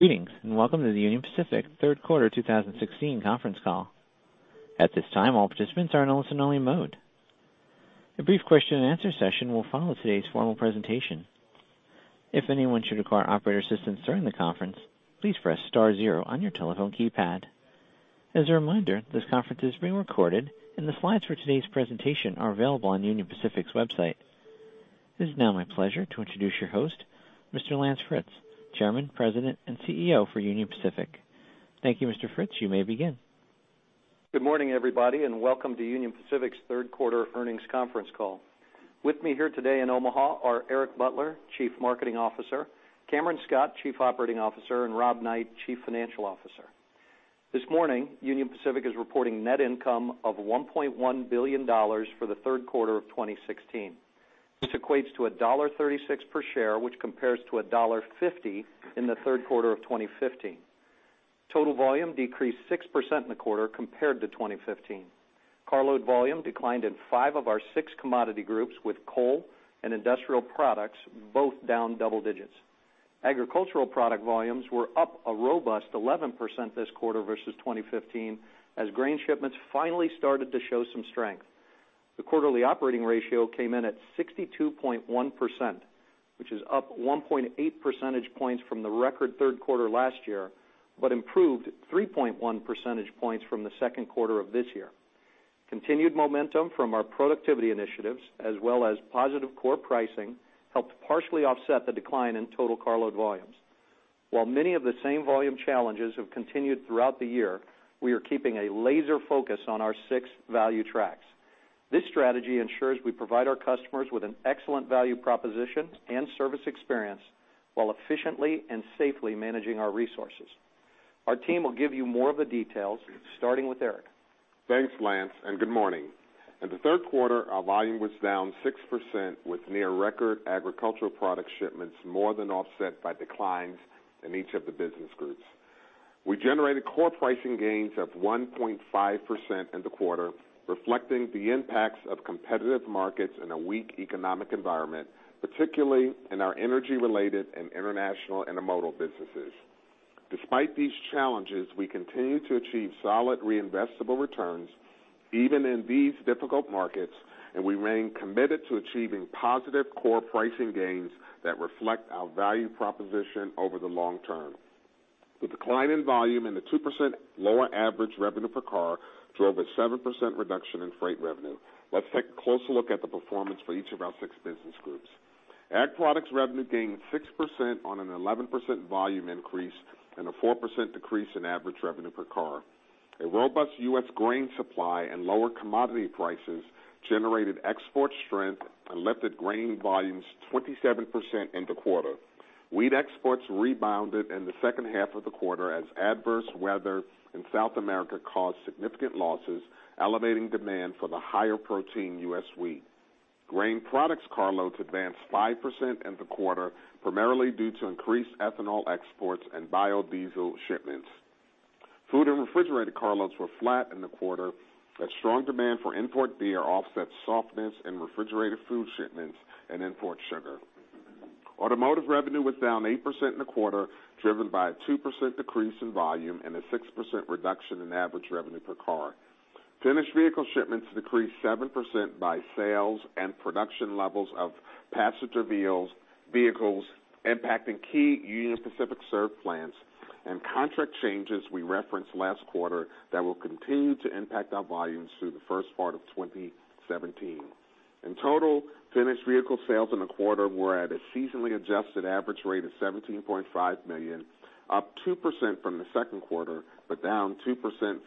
Greetings, welcome to the Union Pacific third quarter 2016 conference call. At this time, all participants are in listen-only mode. A brief question-and-answer session will follow today's formal presentation. If anyone should require operator assistance during the conference, please press star zero on your telephone keypad. As a reminder, this conference is being recorded, and the slides for today's presentation are available on Union Pacific's website. It is now my pleasure to introduce your host, Mr. Lance Fritz, Chairman, President, and CEO for Union Pacific. Thank you, Mr. Fritz. You may begin. Good morning, everybody, welcome to Union Pacific's third quarter earnings conference call. With me here today in Omaha are Eric Butler, Chief Marketing Officer, Cameron Scott, Chief Operating Officer, and Rob Knight, Chief Financial Officer. This morning, Union Pacific is reporting net income of $1.1 billion for the third quarter of 2016. This equates to $1.36 per share, which compares to $1.50 in the third quarter of 2015. Total volume decreased 6% in the quarter compared to 2015. Carload volume declined in five of our six commodity groups, with coal and industrial products both down double digits. Agricultural product volumes were up a robust 11% this quarter versus 2015 as grain shipments finally started to show some strength. The quarterly operating ratio came in at 62.1%, which is up 1.8 percentage points from the record third quarter last year, improved 3.1 percentage points from the second quarter of this year. Continued momentum from our productivity initiatives as well as positive core pricing helped partially offset the decline in total carload volumes. While many of the same volume challenges have continued throughout the year, we are keeping a laser focus on our six value tracks. This strategy ensures we provide our customers with an excellent value proposition and service experience while efficiently and safely managing our resources. Our team will give you more of the details, starting with Eric. Thanks, Lance, good morning. In the third quarter, our volume was down 6% with near-record agricultural product shipments more than offset by declines in each of the business groups. We generated core pricing gains of 1.5% in the quarter, reflecting the impacts of competitive markets in a weak economic environment, particularly in our energy-related and international intermodal businesses. Despite these challenges, we continue to achieve solid reinvestable returns even in these difficult markets, we remain committed to achieving positive core pricing gains that reflect our value proposition over the long term. The decline in volume and the 2% lower average revenue per car drove a 7% reduction in freight revenue. Let's take a closer look at the performance for each of our six business groups. Ag products revenue gained 6% on an 11% volume increase and a 4% decrease in average revenue per car. A robust U.S. grain supply and lower commodity prices generated export strength and lifted grain volumes 27% in the quarter. Wheat exports rebounded in the second half of the quarter as adverse weather in South America caused significant losses, elevating demand for the higher-protein U.S. wheat. Grain products carloads advanced 5% in the quarter, primarily due to increased ethanol exports and biodiesel shipments. Food and refrigerated carloads were flat in the quarter, but strong demand for import beer offset softness in refrigerated food shipments and import sugar. Automotive revenue was down 8% in the quarter, driven by a 2% decrease in volume and a 6% reduction in average revenue per car. Finished vehicle shipments decreased 7% by sales and production levels of passenger vehicles impacting key Union Pacific served plants and contract changes we referenced last quarter that will continue to impact our volumes through the first part of 2017. In total, finished vehicle sales in the quarter were at a seasonally adjusted average rate of 17.5 million, up 2% from the second quarter, but down 2%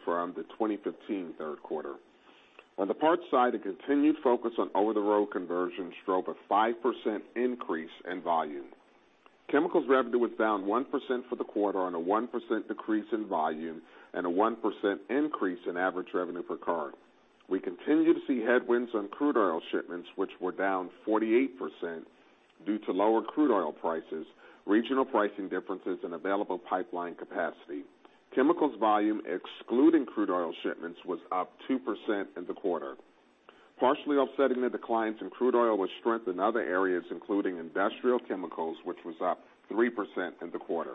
from the 2015 third quarter. On the parts side, a continued focus on over-the-road conversions drove a 5% increase in volume. Chemicals revenue was down 1% for the quarter on a 1% decrease in volume and a 1% increase in average revenue per car. We continue to see headwinds on crude oil shipments, which were down 48% due to lower crude oil prices, regional pricing differences, and available pipeline capacity. Chemicals volume, excluding crude oil shipments, was up 2% in the quarter. Partially offsetting the declines in crude oil was strength in other areas, including industrial chemicals, which was up 3% in the quarter.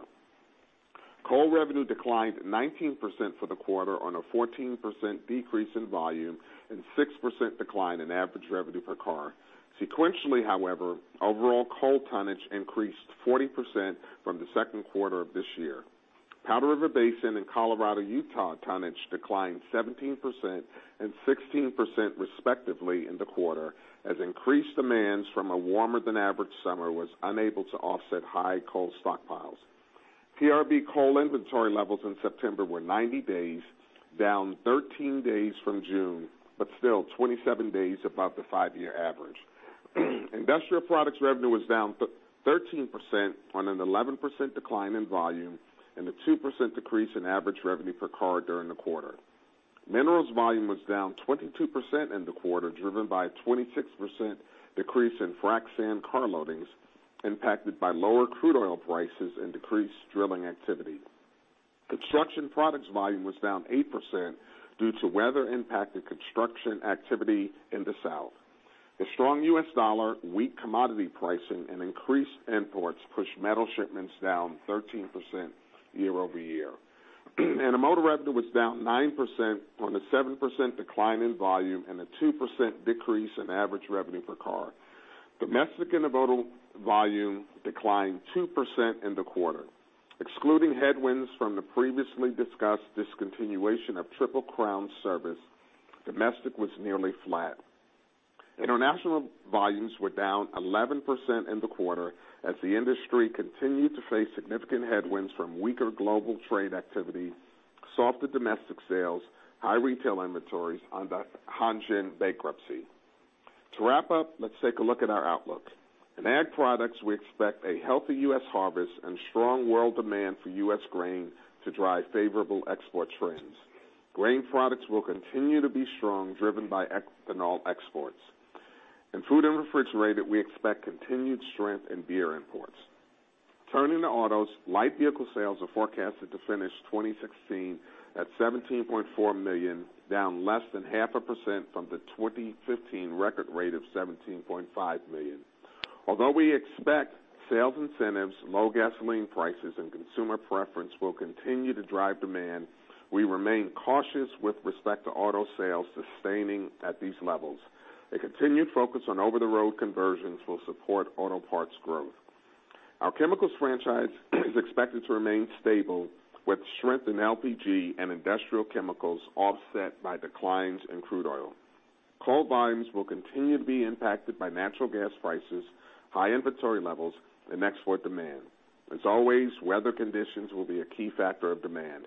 Coal revenue declined 19% for the quarter on a 14% decrease in volume and 6% decline in average revenue per car. Sequentially, however, overall coal tonnage increased 40% from the second quarter of this year. Powder River Basin and Colorado-Utah tonnage declined 17% and 16%, respectively, in the quarter as increased demands from a warmer-than-average summer was unable to offset high coal stockpiles. PRB coal inventory levels in September were 90 days, down 13 days from June, but still 27 days above the five-year average. Industrial products revenue was down 13% on an 11% decline in volume and a 2% decrease in average revenue per car during the quarter. Minerals volume was down 22% in the quarter, driven by a 26% decrease in frac sand car loadings impacted by lower crude oil prices and decreased drilling activity. Construction products volume was down 8% due to weather-impacted construction activity in the South. The strong U.S. dollar, weak commodity pricing, and increased imports pushed metal shipments down 13% year-over-year. Intermodal revenue was down 9% on a 7% decline in volume and a 2% decrease in average revenue per car. Domestic intermodal volume declined 2% in the quarter. Excluding headwinds from the previously discussed discontinuation of Triple Crown Services, domestic was nearly flat. International volumes were down 11% in the quarter as the industry continued to face significant headwinds from weaker global trade activity, softer domestic sales, high retail inventories and the Hanjin bankruptcy. To wrap up, let's take a look at our outlook. In ag products, we expect a healthy U.S. harvest and strong world demand for U.S. grain to drive favorable export trends. Grain products will continue to be strong, driven by ethanol exports. In food and refrigerated, we expect continued strength in beer imports. Turning to autos, light vehicle sales are forecasted to finish 2016 at 17.4 million, down less than half a percent from the 2015 record rate of 17.5 million. Although we expect sales incentives, low gasoline prices, and consumer preference will continue to drive demand, we remain cautious with respect to auto sales sustaining at these levels. A continued focus on over-the-road conversions will support auto parts growth. Our chemicals franchise is expected to remain stable with strength in LPG and industrial chemicals offset by declines in crude oil. Coal volumes will continue to be impacted by natural gas prices, high inventory levels and export demand. As always, weather conditions will be a key factor of demand.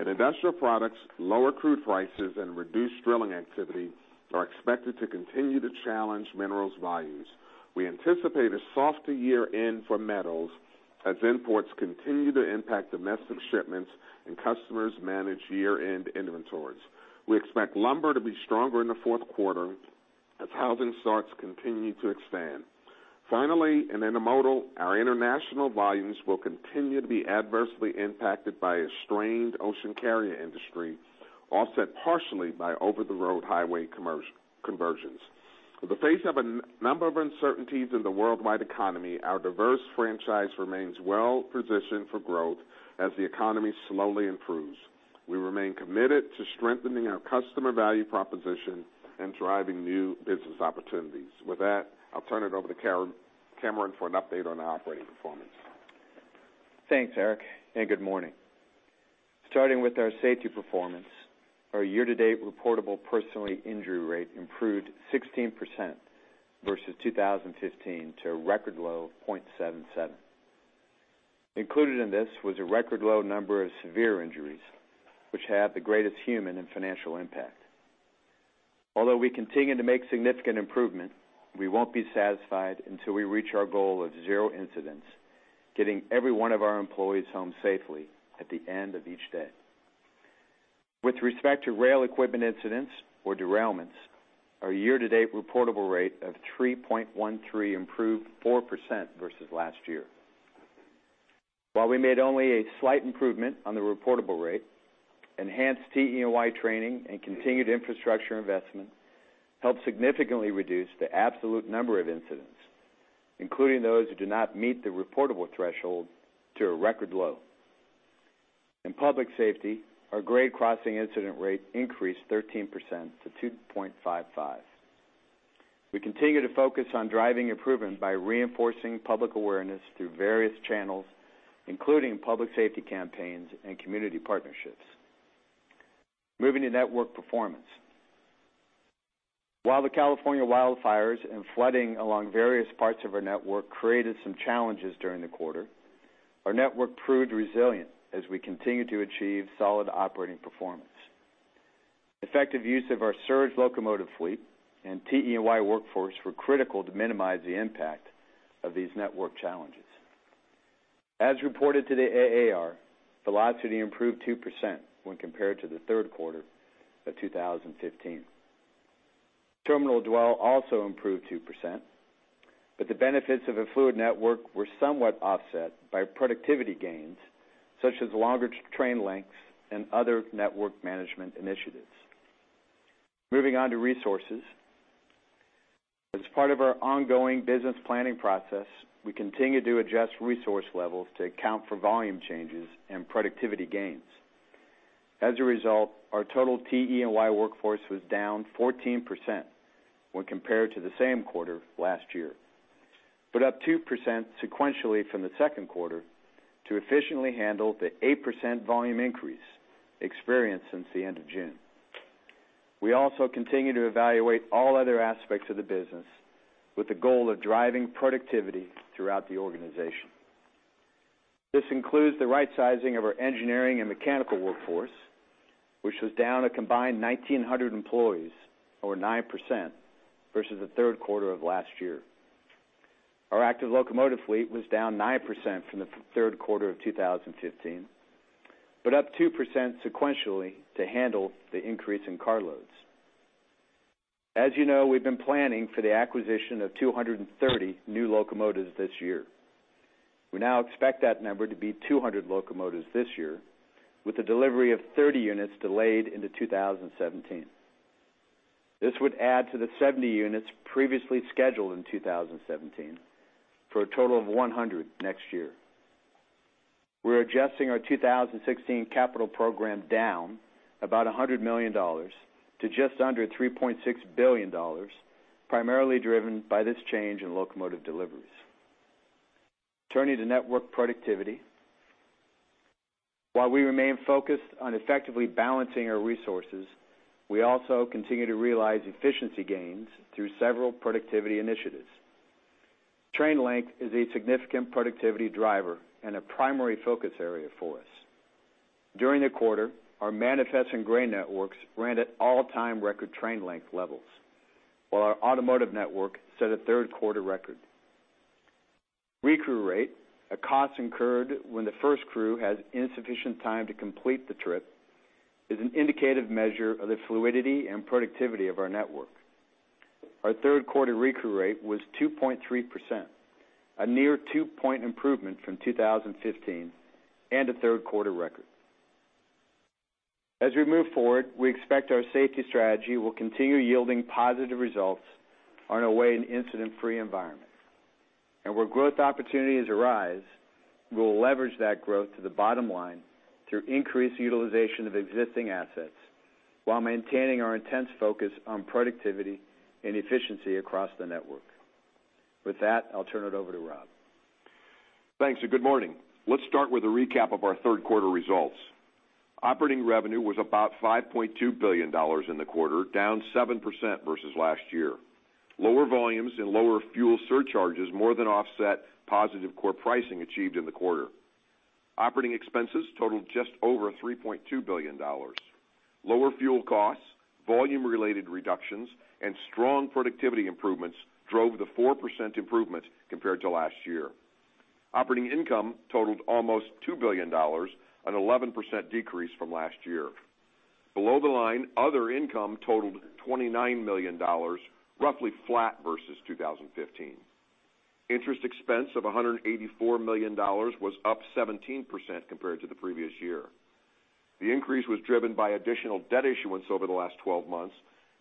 In industrial products, lower crude prices and reduced drilling activity are expected to continue to challenge minerals volumes. We anticipate a softer year-end for metals as imports continue to impact domestic shipments and customers manage year-end inventories. We expect lumber to be stronger in the fourth quarter as housing starts continue to expand. Finally, in intermodal, our international volumes will continue to be adversely impacted by a strained ocean carrier industry, offset partially by over-the-road highway conversions. In the face of a number of uncertainties in the worldwide economy, our diverse franchise remains well-positioned for growth, as the economy slowly improves. We remain committed to strengthening our customer value proposition and driving new business opportunities. With that, I'll turn it over to Cameron for an update on our operating performance. Thanks, Eric, and good morning. Starting with our safety performance, our year-to-date reportable personally injury rate improved 16% versus 2015 to a record low of 0.77. Included in this was a record low number of severe injuries, which had the greatest human and financial impact. Although we continue to make significant improvement, we won't be satisfied until we reach our goal of zero incidents, getting every one of our employees home safely at the end of each day. With respect to rail equipment incidents or derailments, our year-to-date reportable rate of 3.13 improved 4% versus last year. While we made only a slight improvement on the reportable rate, enhanced TE&Y training and continued infrastructure investment helped significantly reduce the absolute number of incidents, including those who do not meet the reportable threshold, to a record low. In public safety, our grade crossing incident rate increased 13% to 2.55. We continue to focus on driving improvement by reinforcing public awareness through various channels, including public safety campaigns and community partnerships. Moving to network performance. While the California wildfires and flooding along various parts of our network created some challenges during the quarter, our network proved resilient as we continue to achieve solid operating performance. Effective use of our surge locomotive fleet and TE&Y workforce were critical to minimize the impact of these network challenges. As reported to the AAR, velocity improved 2% when compared to the third quarter of 2015. Terminal dwell also improved 2%, the benefits of a fluid network were somewhat offset by productivity gains, such as longer train lengths and other network management initiatives. Moving on to resources. As part of our ongoing business planning process, we continue to adjust resource levels to account for volume changes and productivity gains. As a result, our total TE&Y workforce was down 14% when compared to the same quarter last year, but up 2% sequentially from the second quarter to efficiently handle the 8% volume increase experienced since the end of June. We also continue to evaluate all other aspects of the business with the goal of driving productivity throughout the organization. This includes the right sizing of our engineering and mechanical workforce, which was down a combined 1,900 employees or 9% versus the third quarter of last year. Our active locomotive fleet was down 9% from the third quarter of 2015, but up 2% sequentially to handle the increase in car loads. As you know, we've been planning for the acquisition of 230 new locomotives this year. We now expect that number to be 200 locomotives this year, with the delivery of 30 units delayed into 2017. This would add to the 70 units previously scheduled in 2017, for a total of 100 next year. We're adjusting our 2016 capital program down about $100 million to just under $3.6 billion, primarily driven by this change in locomotive deliveries. Turning to network productivity, while we remain focused on effectively balancing our resources, we also continue to realize efficiency gains through several productivity initiatives. Train length is a significant productivity driver and a primary focus area for us. During the quarter, our manifest and grain networks ran at all-time record train length levels, while our automotive network set a third quarter record. Re-crew rate, a cost incurred when the first crew has insufficient time to complete the trip, is an indicative measure of the fluidity and productivity of our network. Our third quarter re-crew rate was 2.3%, a near two-point improvement from 2015 and a third quarter record. As we move forward, we expect our safety strategy will continue yielding positive results on our way to an incident-free environment. Where growth opportunities arise, we will leverage that growth to the bottom line through increased utilization of existing assets while maintaining our intense focus on productivity and efficiency across the network. With that, I'll turn it over to Rob. Thanks, and good morning. Let's start with a recap of our third quarter results. Operating revenue was about $5.2 billion in the quarter, down 7% versus last year. Lower volumes and lower fuel surcharges more than offset positive core pricing achieved in the quarter. Operating expenses totaled just over $3.2 billion. Lower fuel costs, volume-related reductions, and strong productivity improvements drove the 4% improvement compared to last year. Operating income totaled almost $2 billion, an 11% decrease from last year. Below the line, other income totaled $29 million, roughly flat versus 2015. Interest expense of $184 million was up 17% compared to the previous year. The increase was driven by additional debt issuance over the last 12 months,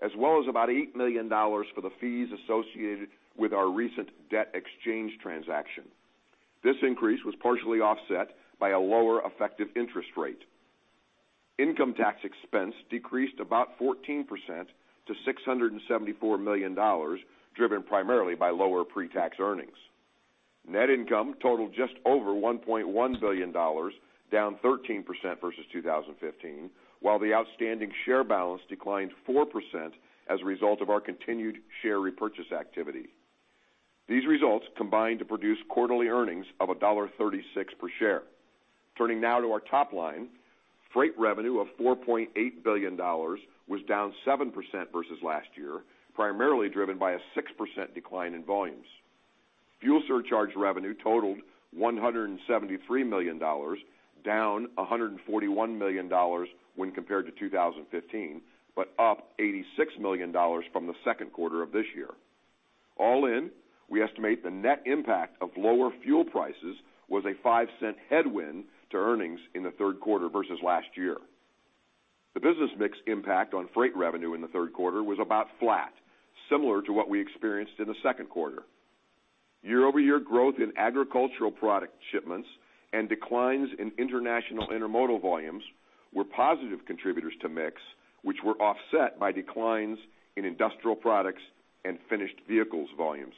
as well as about $8 million for the fees associated with our recent debt exchange transaction. This increase was partially offset by a lower effective interest rate. Income tax expense decreased about 14% to $674 million, driven primarily by lower pre-tax earnings. Net income totaled just over $1.1 billion, down 13% versus 2015, while the outstanding share balance declined 4% as a result of our continued share repurchase activity. These results combined to produce quarterly earnings of $1.36 per share. Turning now to our top line. Freight revenue of $4.8 billion was down 7% versus last year, primarily driven by a 6% decline in volumes. Fuel surcharge revenue totaled $173 million, down $141 million when compared to 2015, but up $86 million from the second quarter of this year. All in, we estimate the net impact of lower fuel prices was a $0.05 headwind to earnings in the third quarter versus last year. The business mix impact on freight revenue in the third quarter was about flat, similar to what we experienced in the second quarter. Year-over-year growth in agricultural product shipments and declines in international intermodal volumes were positive contributors to mix, which were offset by declines in industrial products and finished vehicles volumes.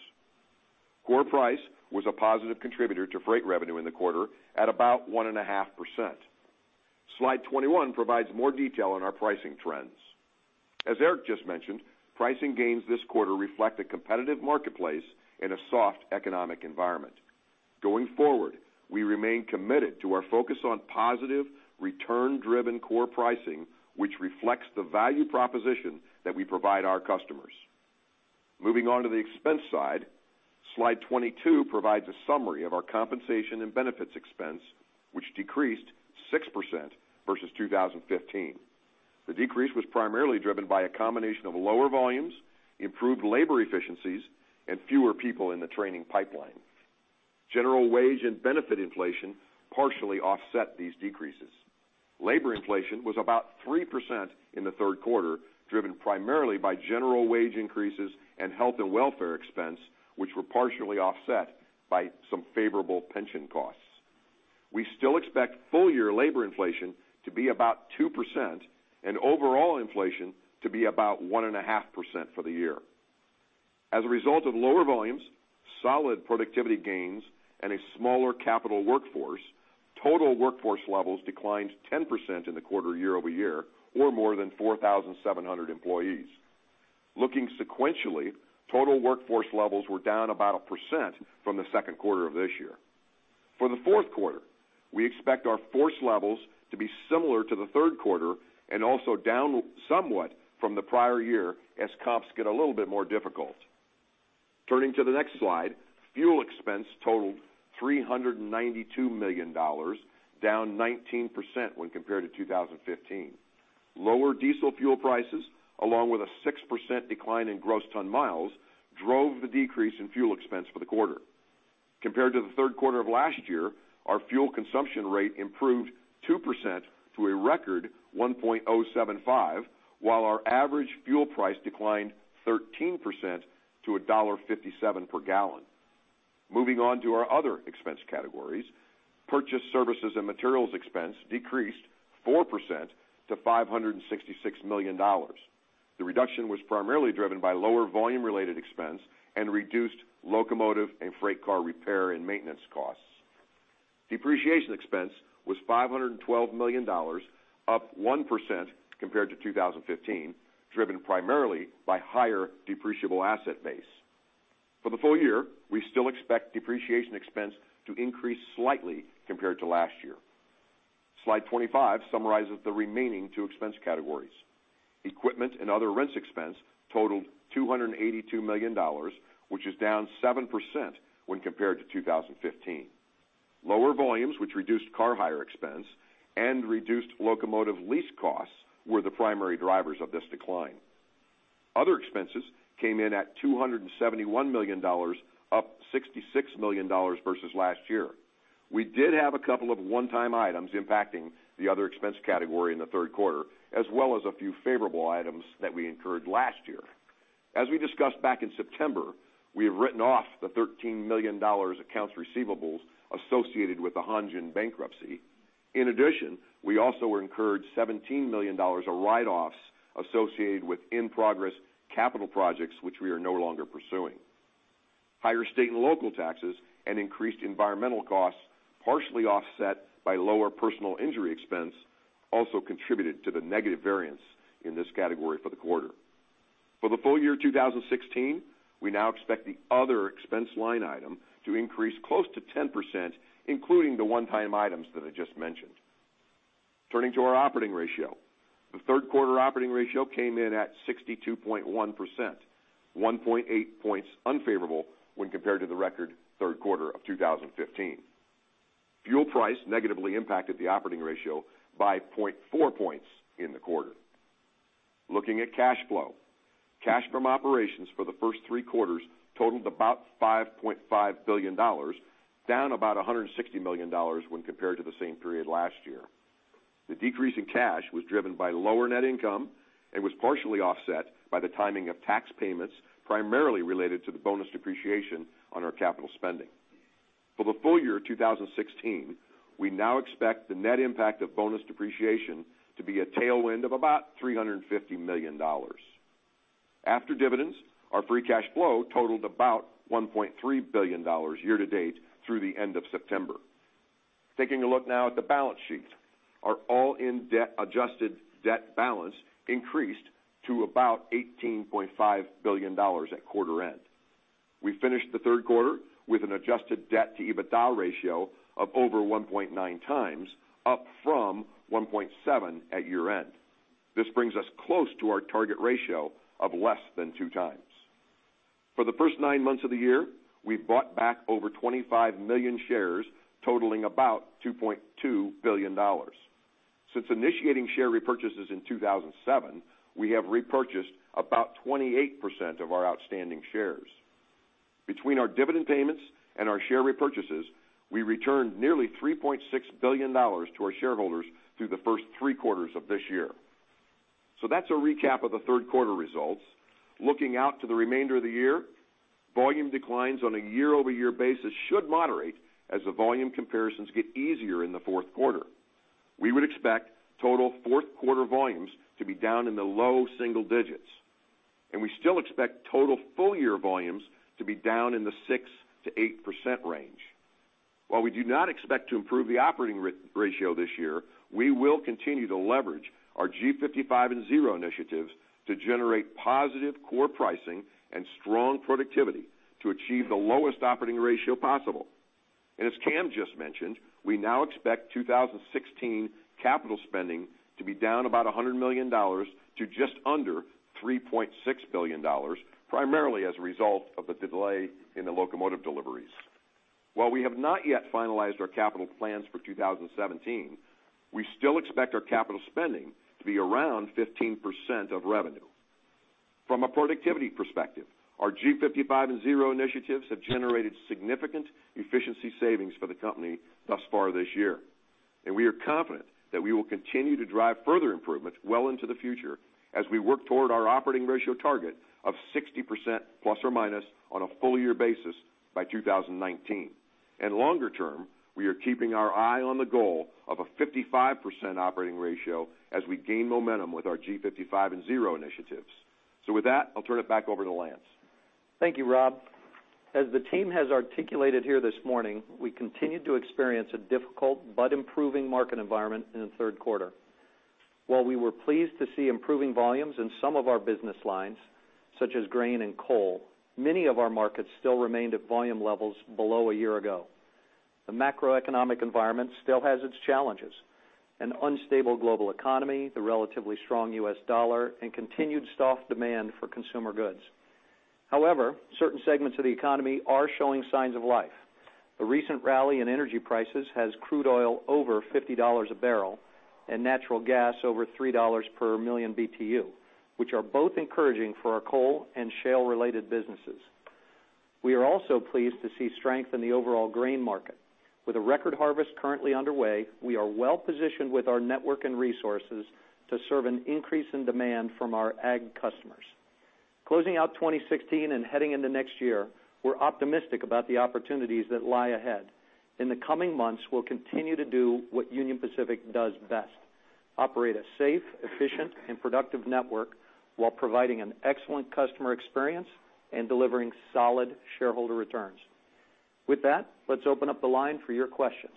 Core price was a positive contributor to freight revenue in the quarter at about 1.5%. Slide 21 provides more detail on our pricing trends. As Eric just mentioned, pricing gains this quarter reflect a competitive marketplace in a soft economic environment. Going forward, we remain committed to our focus on positive, return-driven core pricing, which reflects the value proposition that we provide our customers. Moving on to the expense side. Slide 22 provides a summary of our compensation and benefits expense, which decreased 6% versus 2015. The decrease was primarily driven by a combination of lower volumes, improved labor efficiencies, and fewer people in the training pipeline. General wage and benefit inflation partially offset these decreases. Labor inflation was about 3% in the third quarter, driven primarily by general wage increases and health and welfare expense, which were partially offset by some favorable pension costs. We still expect full-year labor inflation to be about 2% and overall inflation to be about 1.5% for the year. As a result of lower volumes, solid productivity gains, and a smaller capital workforce, total workforce levels declined 10% in the quarter year-over-year, or more than 4,700 employees. Looking sequentially, total workforce levels were down about 1% from the second quarter of this year. For the fourth quarter, we expect our force levels to be similar to the third quarter and also down somewhat from the prior year as comps get a little bit more difficult. Turning to the next slide, fuel expense totaled $392 million, down 19% when compared to 2015. Lower diesel fuel prices, along with a 6% decline in gross ton miles, drove the decrease in fuel expense for the quarter. Compared to the third quarter of last year, our fuel consumption rate improved 2% to a record 1.075, while our average fuel price declined 13% to $1.57 per gallon. Moving on to our other expense categories, purchase services and materials expense decreased 4% to $566 million. The reduction was primarily driven by lower volume-related expense and reduced locomotive and freight car repair and maintenance costs. Depreciation expense was $512 million, up 1% compared to 2015, driven primarily by higher depreciable asset base. For the full year, we still expect depreciation expense to increase slightly compared to last year. Slide 25 summarizes the remaining two expense categories. Equipment and other rents expense totaled $282 million, which is down 7% when compared to 2015. Lower volumes, which reduced car hire expense and reduced locomotive lease costs, were the primary drivers of this decline. Other expenses came in at $271 million, up $66 million versus last year. We did have a couple of one-time items impacting the other expense category in the third quarter, as well as a few favorable items that we incurred last year. As we discussed back in September, we have written off the $13 million accounts receivables associated with the Hanjin bankruptcy. In addition, we also incurred $17 million of write-offs associated with in-progress capital projects, which we are no longer pursuing. Higher state and local taxes and increased environmental costs, partially offset by lower personal injury expense, also contributed to the negative variance in this category for the quarter. For the full year 2016, we now expect the other expense line item to increase close to 10%, including the one-time items that I just mentioned. Turning to our operating ratio. The third quarter operating ratio came in at 62.1%, 1.8 points unfavorable when compared to the record third quarter of 2015. Fuel price negatively impacted the operating ratio by 0.4 points in the quarter. Looking at cash flow. Cash from operations for the first three quarters totaled about $5.5 billion, down about $160 million when compared to the same period last year. The decrease in cash was driven by lower net income and was partially offset by the timing of tax payments, primarily related to the bonus depreciation on our capital spending. For the full year 2016, we now expect the net impact of bonus depreciation to be a tailwind of about $350 million. After dividends, our free cash flow totaled about $1.3 billion year-to-date through the end of September. Taking a look now at the balance sheet. Our all-in debt adjusted debt balance increased to about $18.5 billion at quarter end. We finished the third quarter with an adjusted debt-to-EBITDA ratio of over 1.9 times, up from 1.7 at year-end. This brings us close to our target ratio of less than two times. For the first nine months of the year, we've bought back over 25 million shares, totaling about $2.2 billion. Since initiating share repurchases in 2007, we have repurchased about 28% of our outstanding shares. Between our dividend payments and our share repurchases, we returned nearly $3.6 billion to our shareholders through the first three quarters of this year. That's a recap of the third quarter results. Looking out to the remainder of the year, volume declines on a year-over-year basis should moderate as the volume comparisons get easier in the fourth quarter. We would expect total fourth quarter volumes to be down in the low single digits, and we still expect total full-year volumes to be down in the 6%-8% range. While we do not expect to improve the operating ratio this year, we will continue to leverage our G55 and Zero initiatives to generate positive core pricing and strong productivity to achieve the lowest operating ratio possible. As Cam just mentioned, we now expect 2016 capital spending to be down about $100 million to just under $3.6 billion, primarily as a result of the delay in the locomotive deliveries. While we have not yet finalized our capital plans for 2017, we still expect our capital spending to be around 15% of revenue. From a productivity perspective, our G55 and Zero initiatives have generated significant efficiency savings for the company thus far this year. We are confident that we will continue to drive further improvements well into the future as we work toward our operating ratio target of 60% ± on a full-year basis by 2019. Longer term, we are keeping our eye on the goal of a 55% operating ratio as we gain momentum with our G55 and Zero initiatives. With that, I'll turn it back over to Lance. Thank you, Rob. As the team has articulated here this morning, we continued to experience a difficult but improving market environment in the third quarter. While we were pleased to see improving volumes in some of our business lines, such as grain and coal, many of our markets still remained at volume levels below a year ago. The macroeconomic environment still has its challenges: an unstable global economy, the relatively strong U.S. dollar, and continued soft demand for consumer goods. However, certain segments of the economy are showing signs of life. The recent rally in energy prices has crude oil over $50 a barrel and natural gas over $3 per million BTU, which are both encouraging for our coal and shale-related businesses. We are also pleased to see strength in the overall grain market. With a record harvest currently underway, we are well-positioned with our network and resources to serve an increase in demand from our ag customers. Closing out 2016 and heading into next year, we're optimistic about the opportunities that lie ahead. In the coming months, we'll continue to do what Union Pacific does best: operate a safe, efficient, and productive network while providing an excellent customer experience and delivering solid shareholder returns. With that, let's open up the line for your questions.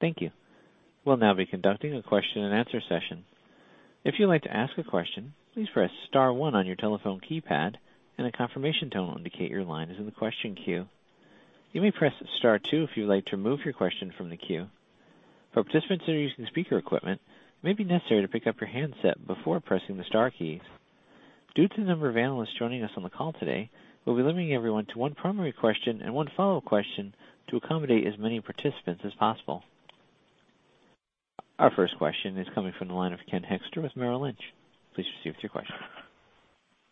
Thank you. We'll now be conducting a question and answer session. If you'd like to ask a question, please press *1 on your telephone keypad, and a confirmation tone will indicate your line is in the question queue. You may press *2 if you'd like to remove your question from the queue. For participants that are using speaker equipment, it may be necessary to pick up your handset before pressing the star keys. Due to the number of analysts joining us on the call today, we'll be limiting everyone to one primary question and one follow-up question to accommodate as many participants as possible. Our first question is coming from the line of Ken Hoexter with Merrill Lynch. Please proceed with your question.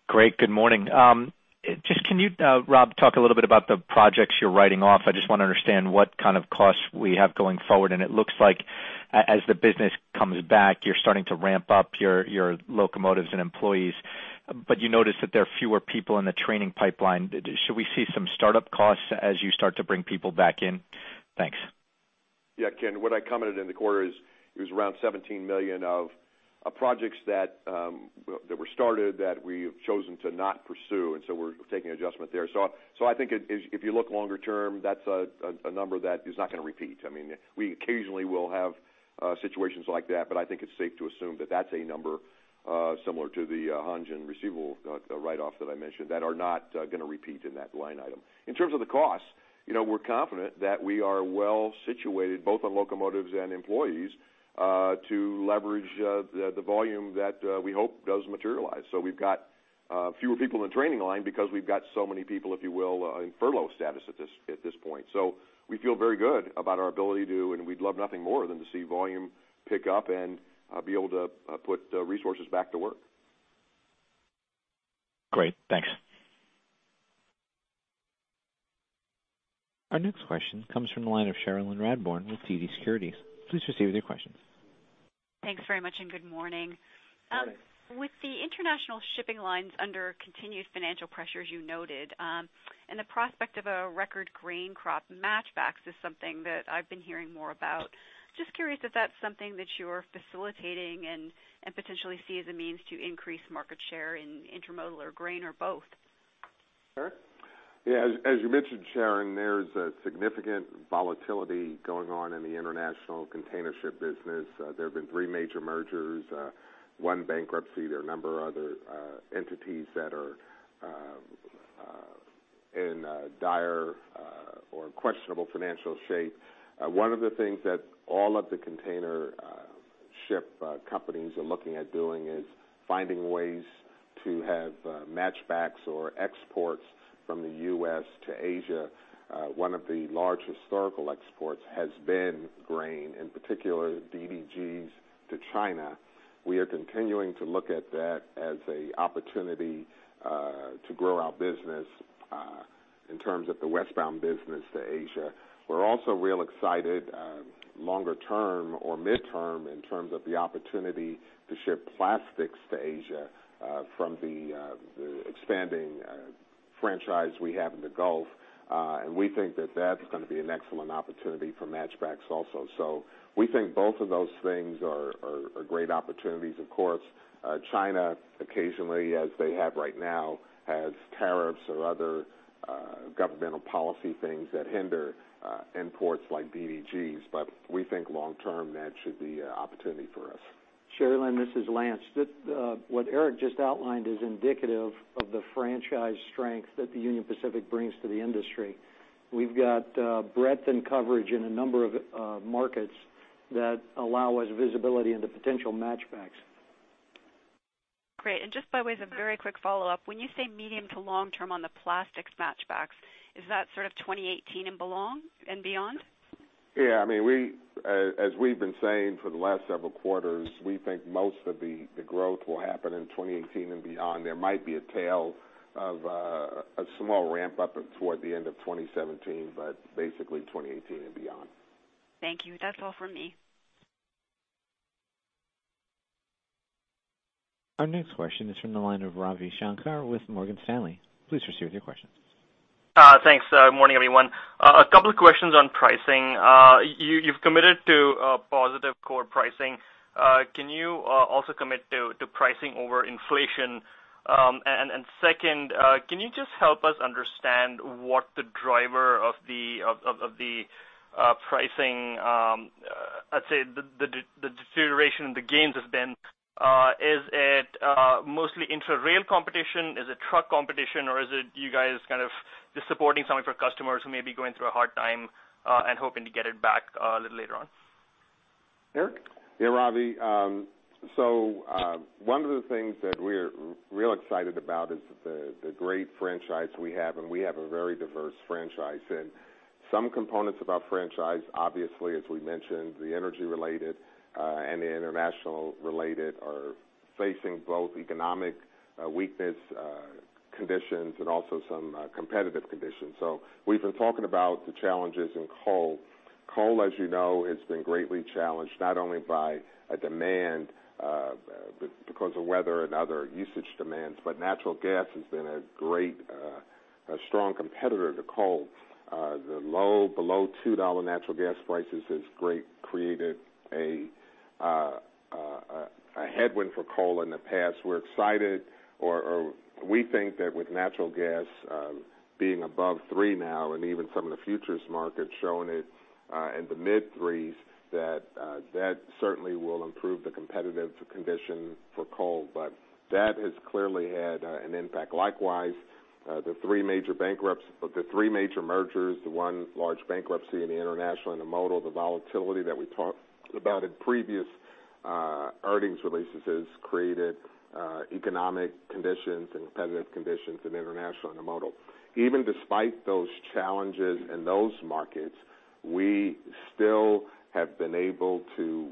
Great. Good morning. Rob Knight, talk a little bit about the projects you're writing off. I just want to understand what kind of costs we have going forward, and it looks like as the business comes back, you're starting to ramp up your locomotives and employees. You notice that there are fewer people in the training pipeline. Should we see some startup costs as you start to bring people back in? Thanks. Ken Hoexter, what I commented in the quarter is, it was around $17 million of projects that were started that we have chosen to not pursue, and we're taking an adjustment there. I think if you look longer term, that's a number that is not going to repeat. We occasionally will have situations like that, but I think it's safe to assume that that's a number similar to the Hanjin receivable write-off that I mentioned that are not going to repeat in that line item. In terms of the cost, we're confident that we are well-situated, both on locomotives and employees, to leverage the volume that we hope does materialize. We've got fewer people in the training line because we've got so many people, if you will, in furlough status at this point. We feel very good about our ability, and we'd love nothing more than to see volume pick up and be able to put resources back to work. Great. Thanks. Our next question comes from the line of Cherilyn Radbourne with TD Securities. Please proceed with your question. Thanks very much, and good morning. Good morning. With the international shipping lines under continued financial pressure, as you noted, and the prospect of a record grain crop, match backs is something that I've been hearing more about. Just curious if that's something that you're facilitating and potentially see as a means to increase market share in intermodal or grain or both. Eric? Yeah. As you mentioned, Cherilyn, there's a significant volatility going on in the international container ship business. There have been three major mergers, one bankruptcy. There are a number of other entities that are in dire or questionable financial shape. One of the things that all of the container ship companies are looking at doing is finding ways to have match backs or exports from the U.S. to Asia. One of the large historical exports has been grain, in particular DDGS to China. We are continuing to look at that as an opportunity to grow our business in terms of the westbound business to Asia. We're also real excited longer term or midterm in terms of the opportunity to ship plastics to Asia from the expanding franchise we have in the Gulf. We think that that's going to be an excellent opportunity for match backs also. We think both of those things are great opportunities. Of course, China occasionally, as they have right now, has tariffs or other governmental policy things that hinder imports like DDGS. We think long term, that should be an opportunity for us. Cherilyn, this is Lance. What Eric just outlined is indicative of the franchise strength that Union Pacific brings to the industry. We've got breadth and coverage in a number of markets that allow us visibility into potential match backs. Great. Just by way of a very quick follow-up, when you say medium to long term on the plastics match backs, is that sort of 2018 and beyond? Yeah. As we've been saying for the last several quarters, we think most of the growth will happen in 2018 and beyond. There might be a tail of a small ramp-up toward the end of 2017, but basically 2018 and beyond. Thank you. That's all for me. Our next question is from the line of Ravi Shanker with Morgan Stanley. Please proceed with your question. Thanks. Morning, everyone. A couple of questions on pricing. You've committed to positive core pricing. Can you also commit to pricing over inflation? Second, can you just help us understand what the driver of the pricing I'd say the deterioration in the gains has been, is it mostly interrail competition? Is it truck competition, or is it you guys just supporting some of your customers who may be going through a hard time and hoping to get it back a little later on? Eric? Yeah, Ravi. One of the things that we're real excited about is the great franchise we have. We have a very diverse franchise. Some components of our franchise, obviously, as we mentioned, the energy related and the international related, are facing both economic weakness conditions and also some competitive conditions. We've been talking about the challenges in coal. Coal, as you know, has been greatly challenged, not only by a demand because of weather and other usage demands, but natural gas has been a strong competitor to coal. The below $2 natural gas prices has created a headwind for coal in the past. We think that with natural gas being above three now and even some of the futures markets showing it in the mid threes, that certainly will improve the competitive condition for coal. That has clearly had an impact. Likewise, the three major mergers, the one large bankruptcy in the international intermodal, the volatility that we talked about in previous earnings releases has created economic conditions and competitive conditions in international intermodal. Even despite those challenges in those markets, we still have been able to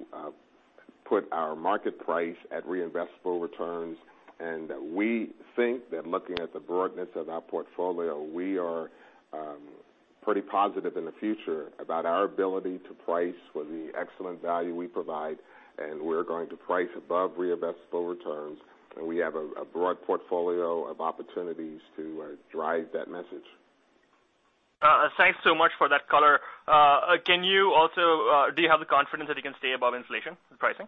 put our market price at reinvestable returns. And we think that looking at the broadness of our portfolio, we are pretty positive in the future about our ability to price for the excellent value we provide, and we're going to price above reinvestable returns. And we have a broad portfolio of opportunities to drive that message. Thanks so much for that color. Do you have the confidence that you can stay above inflation pricing?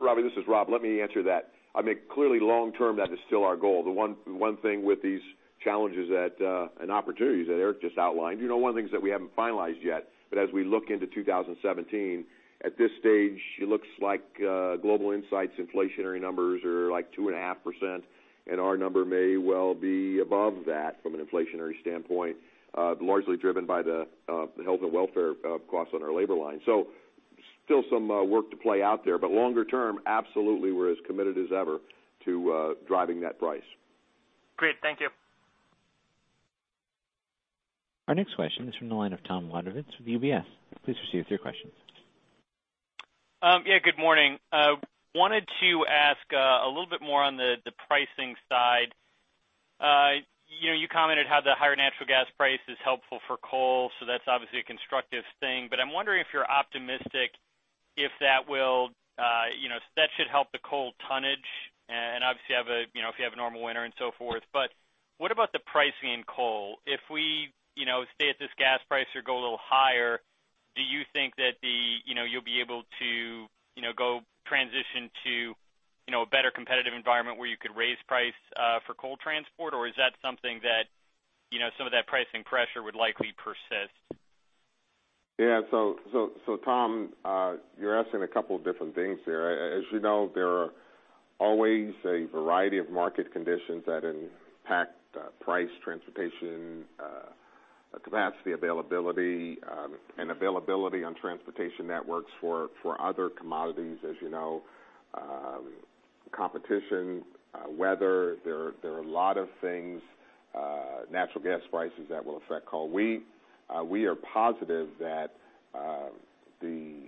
Ravi, this is Rob. Let me answer that. Clearly long term, that is still our goal. The one thing with these challenges and opportunities that Eric just outlined, one of the things that we haven't finalized yet, but as we look into 2017, at this stage, it looks like Global Insight's inflationary numbers are like 2.5%, and our number may well be above that from an inflationary standpoint, largely driven by the health and welfare costs on our labor line. Still some work to play out there, but longer term, absolutely, we're as committed as ever to driving that price. Great. Thank you. Our next question is from the line of Tom Wadewitz with UBS. Please proceed with your question. Good morning. Wanted to ask a little bit more on the pricing side. You commented how the higher natural gas price is helpful for coal, that's obviously a constructive thing. I'm wondering if you're optimistic if that should help the coal tonnage and obviously if you have a normal winter and so forth. What about the pricing in coal? If we stay at this gas price or go a little higher, do you think that you'll be able to transition to a better competitive environment where you could raise price for coal transport or is that something that some of that pricing pressure would likely persist? Tom, you're asking a couple of different things there. As you know, there are always a variety of market conditions that impact price, transportation, capacity availability, and availability on transportation networks for other commodities, as you know, competition, weather. There are a lot of things, natural gas prices, that will affect coal. We are positive that the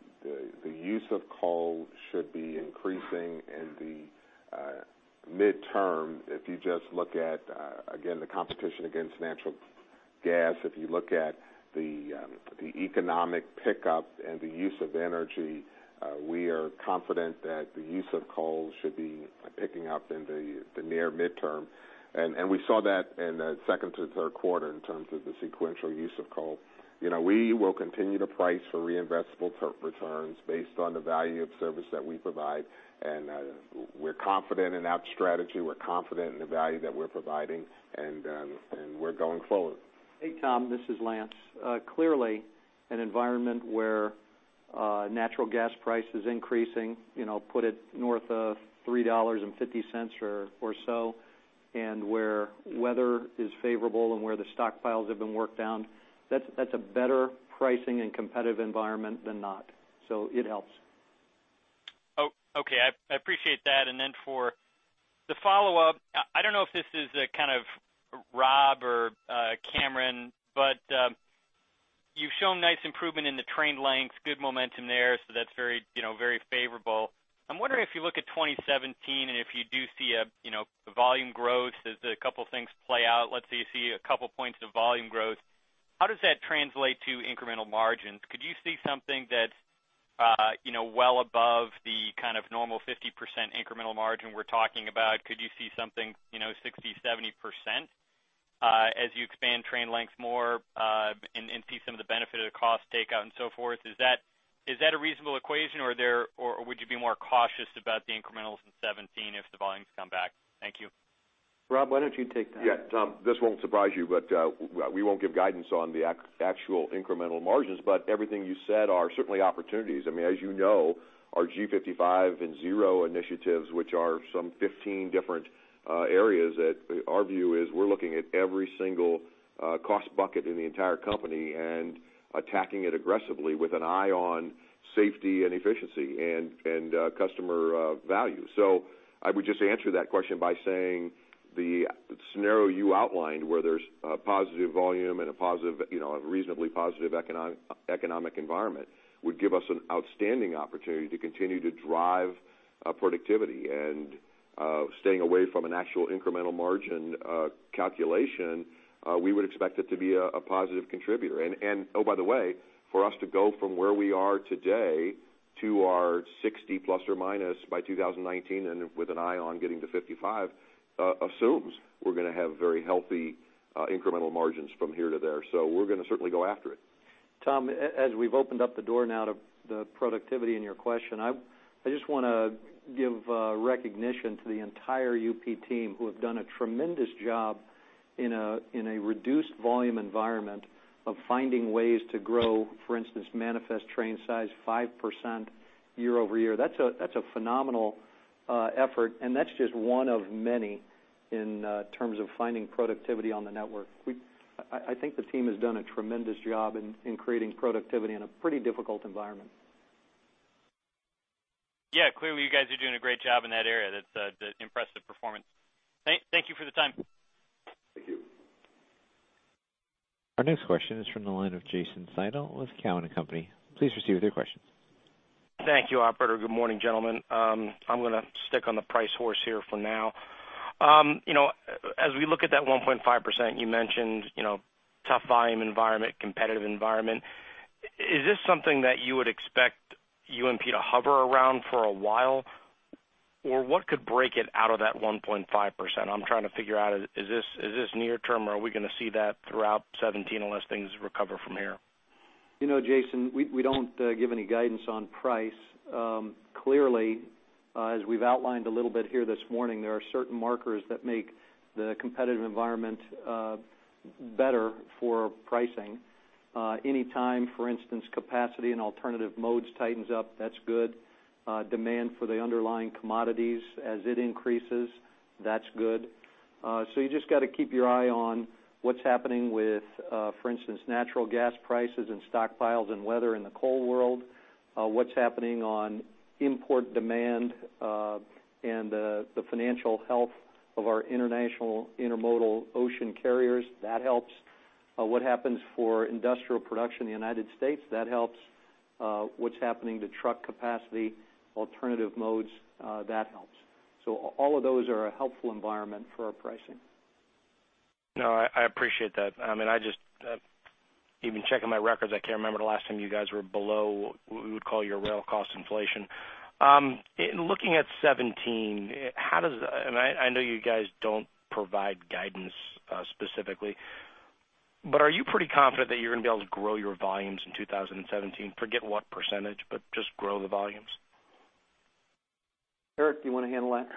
use of coal should be increasing in the midterm. If you just look at, again, the competition against natural gas, if you look at the economic pickup and the use of energy, we are confident that the use of coal should be picking up in the near midterm. We saw that in the second to third quarter in terms of the sequential use of coal. We will continue to price for reinvestable returns based on the value of service that we provide, and we're confident in that strategy. We're confident in the value that we're providing, and we're going forward. Hey, Tom, this is Lance. Clearly, an environment where natural gas price is increasing, put it north of $3.50 or so, and where weather is favorable and where the stockpiles have been worked down, that's a better pricing and competitive environment than not. It helps. I appreciate that. Then for the follow-up, I don't know if this is Rob or Cameron, but you've shown nice improvement in the train lengths, good momentum there, so that's very favorable. I'm wondering if you look at 2017 and if you do see volume growth as a couple of things play out, let's say you see a couple points of volume growth, how does that translate to incremental margins? Could you see something that's well above the normal 50% incremental margin we're talking about? Could you see something 60%, 70% as you expand train lengths more and see some of the benefit of the cost takeout and so forth? Is that a reasonable equation, or would you be more cautious about the incrementals in 2017 if the volumes come back? Thank you. Rob, why don't you take that? Tom, this won't surprise you, we won't give guidance on the actual incremental margins. Everything you said are certainly opportunities. As you know, our G55 and Zero initiatives, which are some 15 different areas that our view is we're looking at every single cost bucket in the entire company and attacking it aggressively with an eye on safety and efficiency and customer value. I would just answer that question by saying the scenario you outlined, where there's a positive volume and a reasonably positive economic environment, would give us an outstanding opportunity to continue to drive productivity. Staying away from an actual incremental margin calculation, we would expect it to be a positive contributor. By the way, for us to go from where we are today to our 60 plus or minus by 2019 and with an eye on getting to 55, assumes we're going to have very healthy incremental margins from here to there. We're going to certainly go after it. Tom, as we've opened up the door now to the productivity in your question, I just want to give recognition to the entire UP team who have done a tremendous job in a reduced volume environment of finding ways to grow, for instance, manifest train size 5% year-over-year. That's a phenomenal effort, and that's just one of many in terms of finding productivity on the network. I think the team has done a tremendous job in creating productivity in a pretty difficult environment. Clearly you guys are doing a great job in that area. That's impressive performance. Thank you for the time. Thank you. Our next question is from the line of Jason Seidel with Cowen and Company. Please proceed with your question. Thank you, operator. Good morning, gentlemen. I'm going to stick on the price horse here for now. As we look at that 1.5%, you mentioned tough volume environment, competitive environment. Is this something that you would expect UNP to hover around for a while? Or what could break it out of that 1.5%? I'm trying to figure out, is this near term, or are we going to see that throughout 2017 unless things recover from here? Jason, we don't give any guidance on price. Clearly, as we've outlined a little bit here this morning, there are certain markers that make the competitive environment better for pricing. Anytime, for instance, capacity and alternative modes tightens up, that's good. Demand for the underlying commodities as it increases, that's good. You just got to keep your eye on what's happening with, for instance, natural gas prices and stockpiles and weather in the coal world. What's happening on import demand and the financial health of our international intermodal ocean carriers, that helps. What happens for industrial production in the U.S., that helps. What's happening to truck capacity, alternative modes, that helps. All of those are a helpful environment for our pricing. No, I appreciate that. Even checking my records, I can't remember the last time you guys were below what we would call your rail cost inflation. Looking at 2017, I know you guys don't provide guidance specifically, are you pretty confident that you're going to be able to grow your volumes in 2017? Forget what percentage, just grow the volumes. Eric, do you want to handle that?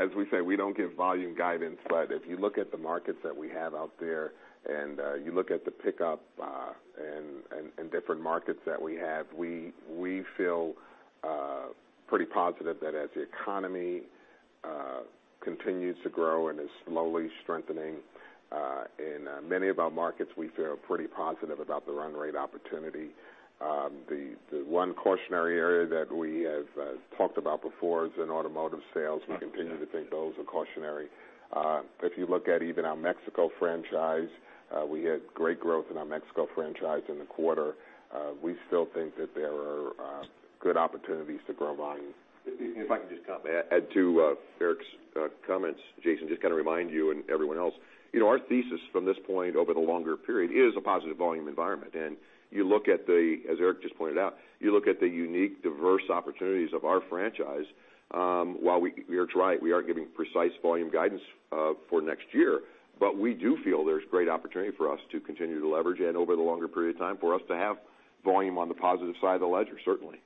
As we say, we don't give volume guidance, if you look at the markets that we have out there and you look at the pickup in different markets that we have, we feel pretty positive that as the economy continues to grow and is slowly strengthening in many of our markets, we feel pretty positive about the run rate opportunity. The one cautionary area that we have talked about before is in automotive sales. We continue to think those are cautionary. If you look at even our Mexico franchise, we had great growth in our Mexico franchise in the quarter. We still think that there are good opportunities to grow volume. If I can just add to Eric's comments, Jason, just to remind you and everyone else, our thesis from this point over the longer period is a positive volume environment. As Eric just pointed out, you look at the unique, diverse opportunities of our franchise. While we aren't giving precise volume guidance for next year, we do feel there's great opportunity for us to continue to leverage and over the longer period of time for us to have volume on the positive side of the ledger, certainly.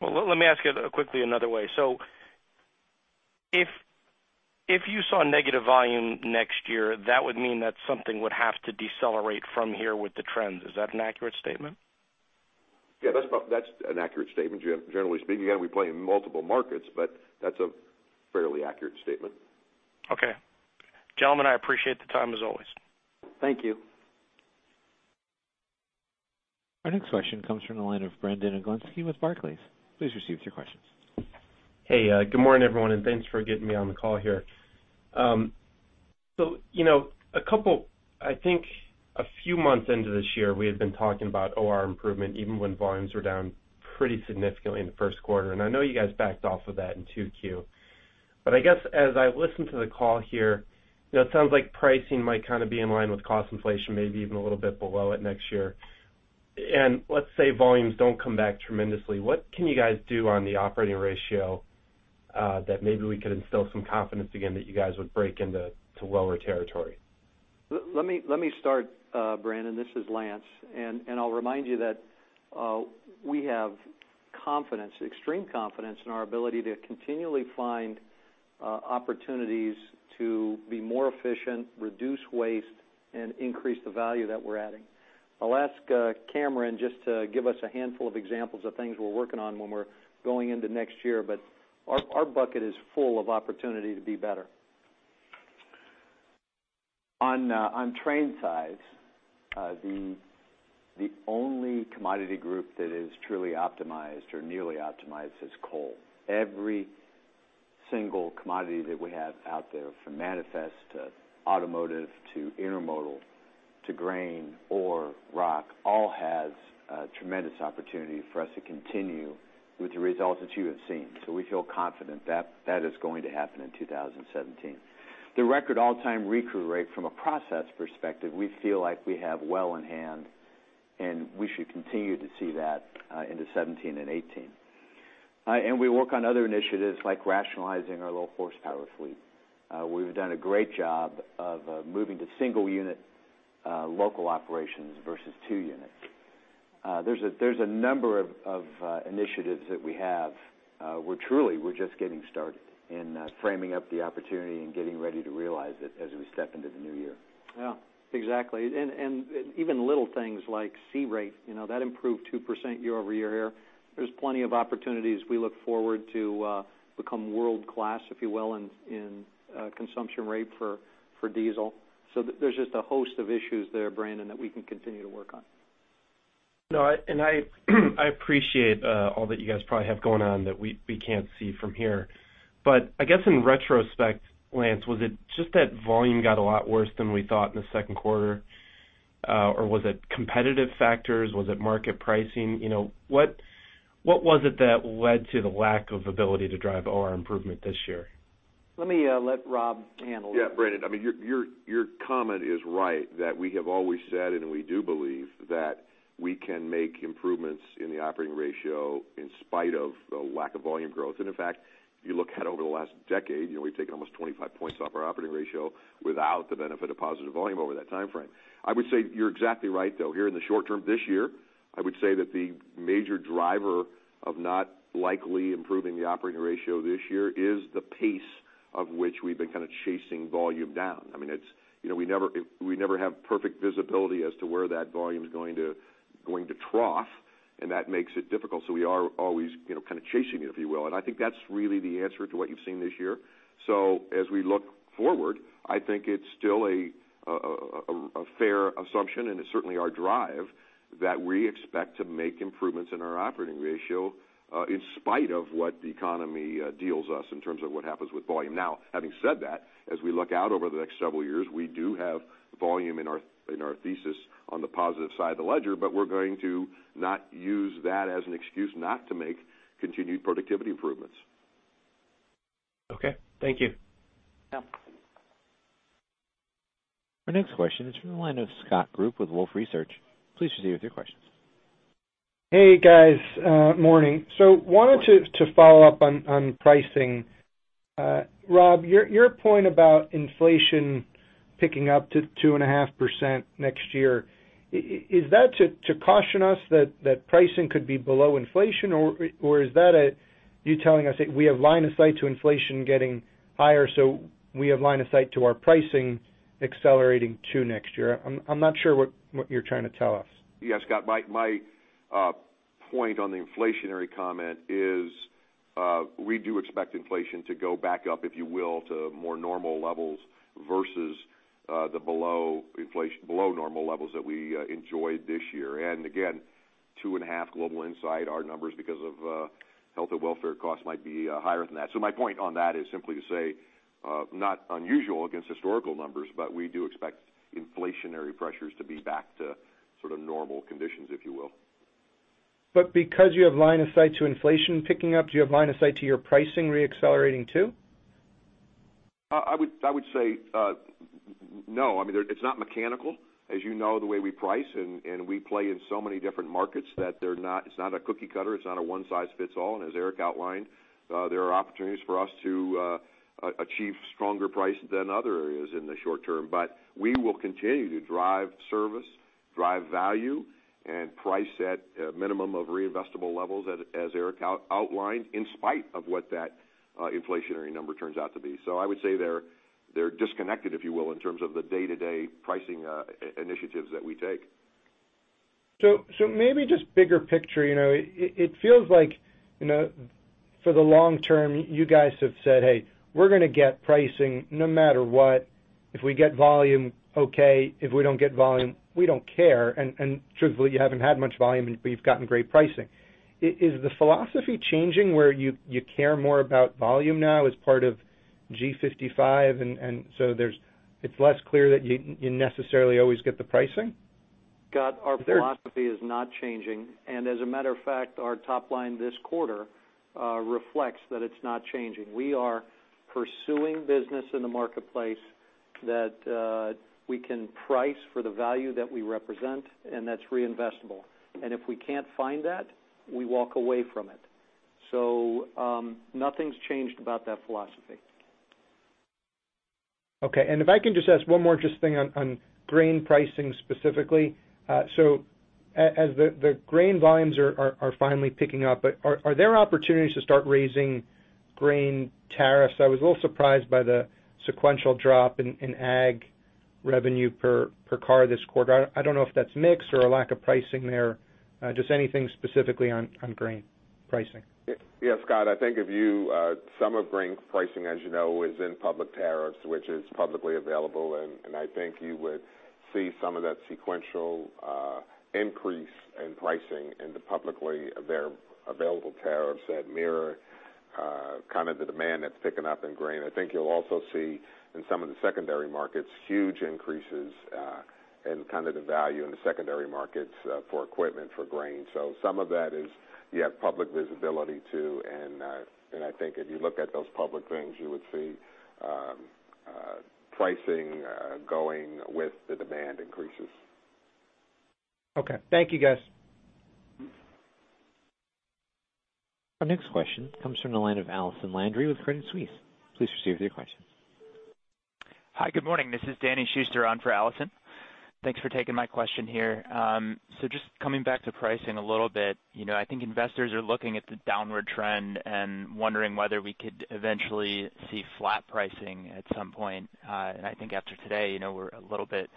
Well, let me ask it quickly another way. If you saw negative volume next year, that would mean that something would have to decelerate from here with the trends. Is that an accurate statement? Yeah, that's an accurate statement, generally speaking. Again, we play in multiple markets, but that's a fairly accurate statement. Okay. Gentlemen, I appreciate the time, as always. Thank you. Our next question comes from the line of Brandon Oglenski with Barclays. Please receive your questions. Hey, good morning, everyone, and thanks for getting me on the call here. I think a few months into this year, we had been talking about OR improvement even when volumes were down pretty significantly in the first quarter, and I know you guys backed off of that in 2Q. I guess as I listen to the call here, it sounds like pricing might be in line with cost inflation, maybe even a little bit below it next year. Let's say volumes don't come back tremendously. What can you guys do on the operating ratio that maybe we could instill some confidence again that you guys would break into lower territory? Let me start, Brandon. This is Lance. I'll remind you that we have confidence, extreme confidence in our ability to continually find opportunities to be more efficient, reduce waste, and increase the value that we're adding. I'll ask Cameron just to give us a handful of examples of things we're working on when we're going into next year, our bucket is full of opportunity to be better. On train size, the only commodity group that is truly optimized or nearly optimized is coal. Every single commodity that we have out there, from manifest to automotive to intermodal to grain, ore, rock, all has a tremendous opportunity for us to continue with the results that you have seen. We feel confident that is going to happen in 2017. The record all-time recrew rate from a process perspective, we feel like we have well in hand, we should continue to see that into 2017 and 2018. We work on other initiatives like rationalizing our low horsepower fleet. We've done a great job of moving to single unit, local operations versus 2 units. There's a number of initiatives that we have, where truly, we're just getting started in framing up the opportunity and getting ready to realize it as we step into the new year. Yeah, exactly. Even little things like recrew rate, that improved two% year-over-year here. There's plenty of opportunities. We look forward to become world-class, if you will, in consumption rate for diesel. There's just a host of issues there, Brandon, that we can continue to work on. No, I appreciate all that you guys probably have going on that we can't see from here. I guess in retrospect, Lance, was it just that volume got a lot worse than we thought in the second quarter, or was it competitive factors? Was it market pricing? What was it that led to the lack of ability to drive OR improvement this year? Let me let Rob handle it. Yeah, Brandon, your comment is right, that we have always said, we do believe that we can make improvements in the operating ratio in spite of the lack of volume growth. In fact, if you look at over the last decade, we've taken almost 25 points off our operating ratio without the benefit of positive volume over that timeframe. I would say you're exactly right, though. Here in the short term this year, I would say that the major driver of not likely improving the operating ratio this year is the pace of which we've been kind of chasing volume down. We never have perfect visibility as to where that volume's going to trough, and that makes it difficult. We are always kind of chasing it, if you will, and I think that's really the answer to what you've seen this year. As we look forward, I think it's still a fair assumption, and it's certainly our drive that we expect to make improvements in our operating ratio, in spite of what the economy deals us in terms of what happens with volume. Having said that, as we look out over the next several years, we do have volume in our thesis on the positive side of the ledger, we're going to not use that as an excuse not to make continued productivity improvements. Okay. Thank you. Yeah. Our next question is from the line of Scott Group with Wolfe Research. Please proceed with your questions. Hey, guys. Morning. Wanted to follow up on pricing. Rob, your point about inflation picking up to 2.5% next year, is that to caution us that pricing could be below inflation, or is that you telling us that we have line of sight to inflation getting higher, we have line of sight to our pricing accelerating too next year? I am not sure what you are trying to tell us. Yeah, Scott, my point on the inflationary comment is, we do expect inflation to go back up, if you will, to more normal levels versus the below normal levels that we enjoyed this year. Again, 2.5% Global Insight, our numbers because of health and welfare costs might be higher than that. My point on that is simply to say, not unusual against historical numbers, but we do expect inflationary pressures to be back to sort of normal conditions, if you will. Because you have line of sight to inflation picking up, do you have line of sight to your pricing re-accelerating, too? I would say no. It's not mechanical. As you know, the way we price and we play in so many different markets that it's not a cookie cutter, it's not a one size fits all. As Eric outlined, there are opportunities for us to achieve stronger price than other areas in the short term. We will continue to drive service, drive value, and price at a minimum of reinvestable levels as Eric outlined, in spite of what that inflationary number turns out to be. I would say they're disconnected, if you will, in terms of the day-to-day pricing initiatives that we take. Maybe just bigger picture. It feels like for the long term, you guys have said, "Hey, we're going to get pricing no matter what. If we get volume, okay. If we don't get volume, we don't care." Truthfully, you haven't had much volume, but you've gotten great pricing. Is the philosophy changing where you care more about volume now as part of G55, it's less clear that you necessarily always get the pricing? Scott, our philosophy is not changing, as a matter of fact, our top line this quarter reflects that it's not changing. We are pursuing business in the marketplace that we can price for the value that we represent, that's reinvestable. If we can't find that, we walk away from it. Nothing's changed about that philosophy. Okay, if I can ask one more thing on grain pricing specifically. As the grain volumes are finally picking up, are there opportunities to start raising grain tariffs? I was a little surprised by the sequential drop in ag revenue per car this quarter. I don't know if that's mix or a lack of pricing there. Just anything specifically on grain pricing. Yeah, Scott, I think some of grain pricing, as you know, is in public tariffs, which is publicly available. I think you would see some of that sequential increase in pricing in the publicly available tariffs that mirror the demand that's picking up in grain. I think you'll also see in some of the secondary markets, huge increases in the value in the secondary markets for equipment for grain. Some of that is, you have public visibility, too. I think if you look at those public things, you would see pricing going with the demand increases. Okay. Thank you, guys. Our next question comes from the line of Allison Landry with Credit Suisse. Please proceed with your question. Hi, good morning. This is Danny Schuster on for Allison Landry. Thanks for taking my question here. Just coming back to pricing a little bit. I think investors are looking at the downward trend and wondering whether we could eventually see flat pricing at some point. I think after today, we're a little bit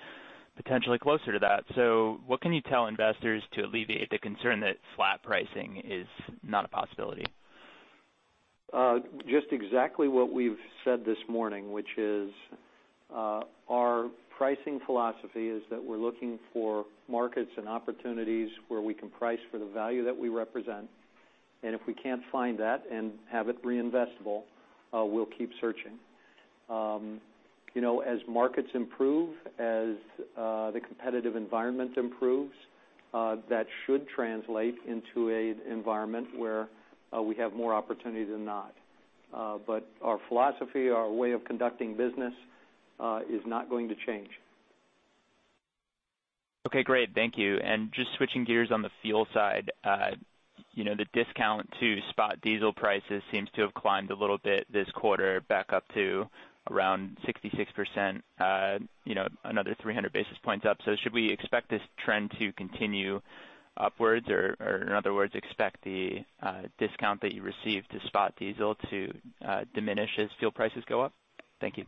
potentially closer to that. What can you tell investors to alleviate the concern that flat pricing is not a possibility? Just exactly what we've said this morning, which is, our pricing philosophy is that we're looking for markets and opportunities where we can price for the value that we represent, and if we can't find that and have it reinvestable, we'll keep searching. As markets improve, as the competitive environment improves, that should translate into an environment where we have more opportunity than not. Our philosophy, our way of conducting business, is not going to change. Okay, great. Thank you. Just switching gears on the fuel side. The discount to spot diesel prices seems to have climbed a little bit this quarter back up to around 66%, another 300 basis points up. Should we expect this trend to continue upwards? In other words, expect the discount that you receive to spot diesel to diminish as fuel prices go up? Thank you.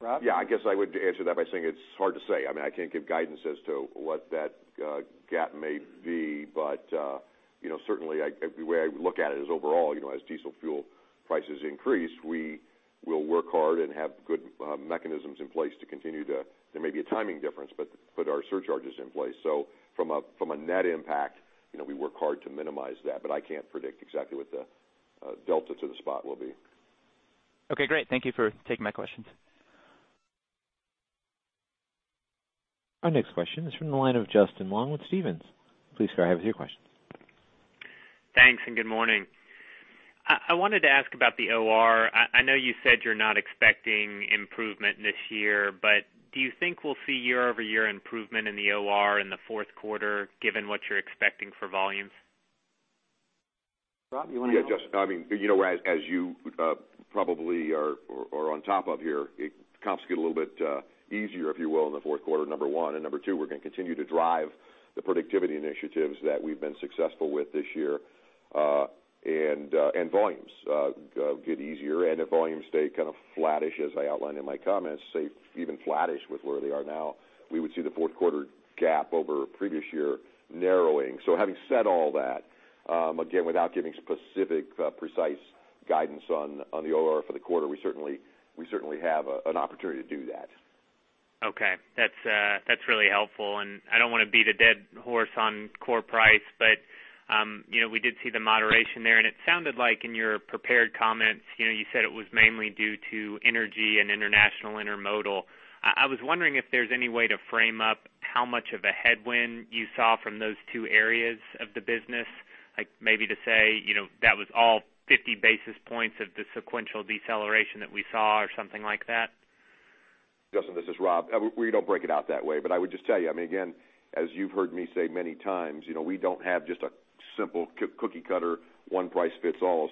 Rob? Yeah, I guess I would answer that by saying it's hard to say. I can't give guidance as to what that gap may be, but certainly the way I look at it is overall, as diesel fuel prices increase, we will work hard and have good mechanisms in place to continue to, there may be a timing difference, but put our surcharges in place. From a net impact, we work hard to minimize that, but I can't predict exactly what the delta to the spot will be. Okay, great. Thank you for taking my questions. Our next question is from the line of Justin Long with Stephens. Please go ahead with your question. Thanks, good morning. I wanted to ask about the OR. I know you said you're not expecting improvement this year, but do you think we'll see year-over-year improvement in the OR in the fourth quarter, given what you're expecting for volumes? Rob, you want to Yeah. Justin, as you probably are on top of here, comps get a little bit easier, if you will, in the fourth quarter, number 1. Number 2, we're going to continue to drive the productivity initiatives that we've been successful with this year. Volumes get easier, and if volumes stay kind of flattish, as I outlined in my comments, say, even flattish with where they are now, we would see the fourth quarter gap over previous year narrowing. Having said all that, again, without giving specific, precise guidance on the OR for the quarter, we certainly have an opportunity to do that. Okay. That's really helpful. I don't want to beat a dead horse on core price. We did see the moderation there, and it sounded like in your prepared comments, you said it was mainly due to energy and international Intermodal. I was wondering if there's any way to frame up how much of a headwind you saw from those two areas of the business, like maybe to say, that was all 50 basis points of the sequential deceleration that we saw or something like that. Justin, this is Rob. We don't break it out that way. I would just tell you, again, as you've heard me say many times, we don't have just a simple cookie cutter, one price fits all.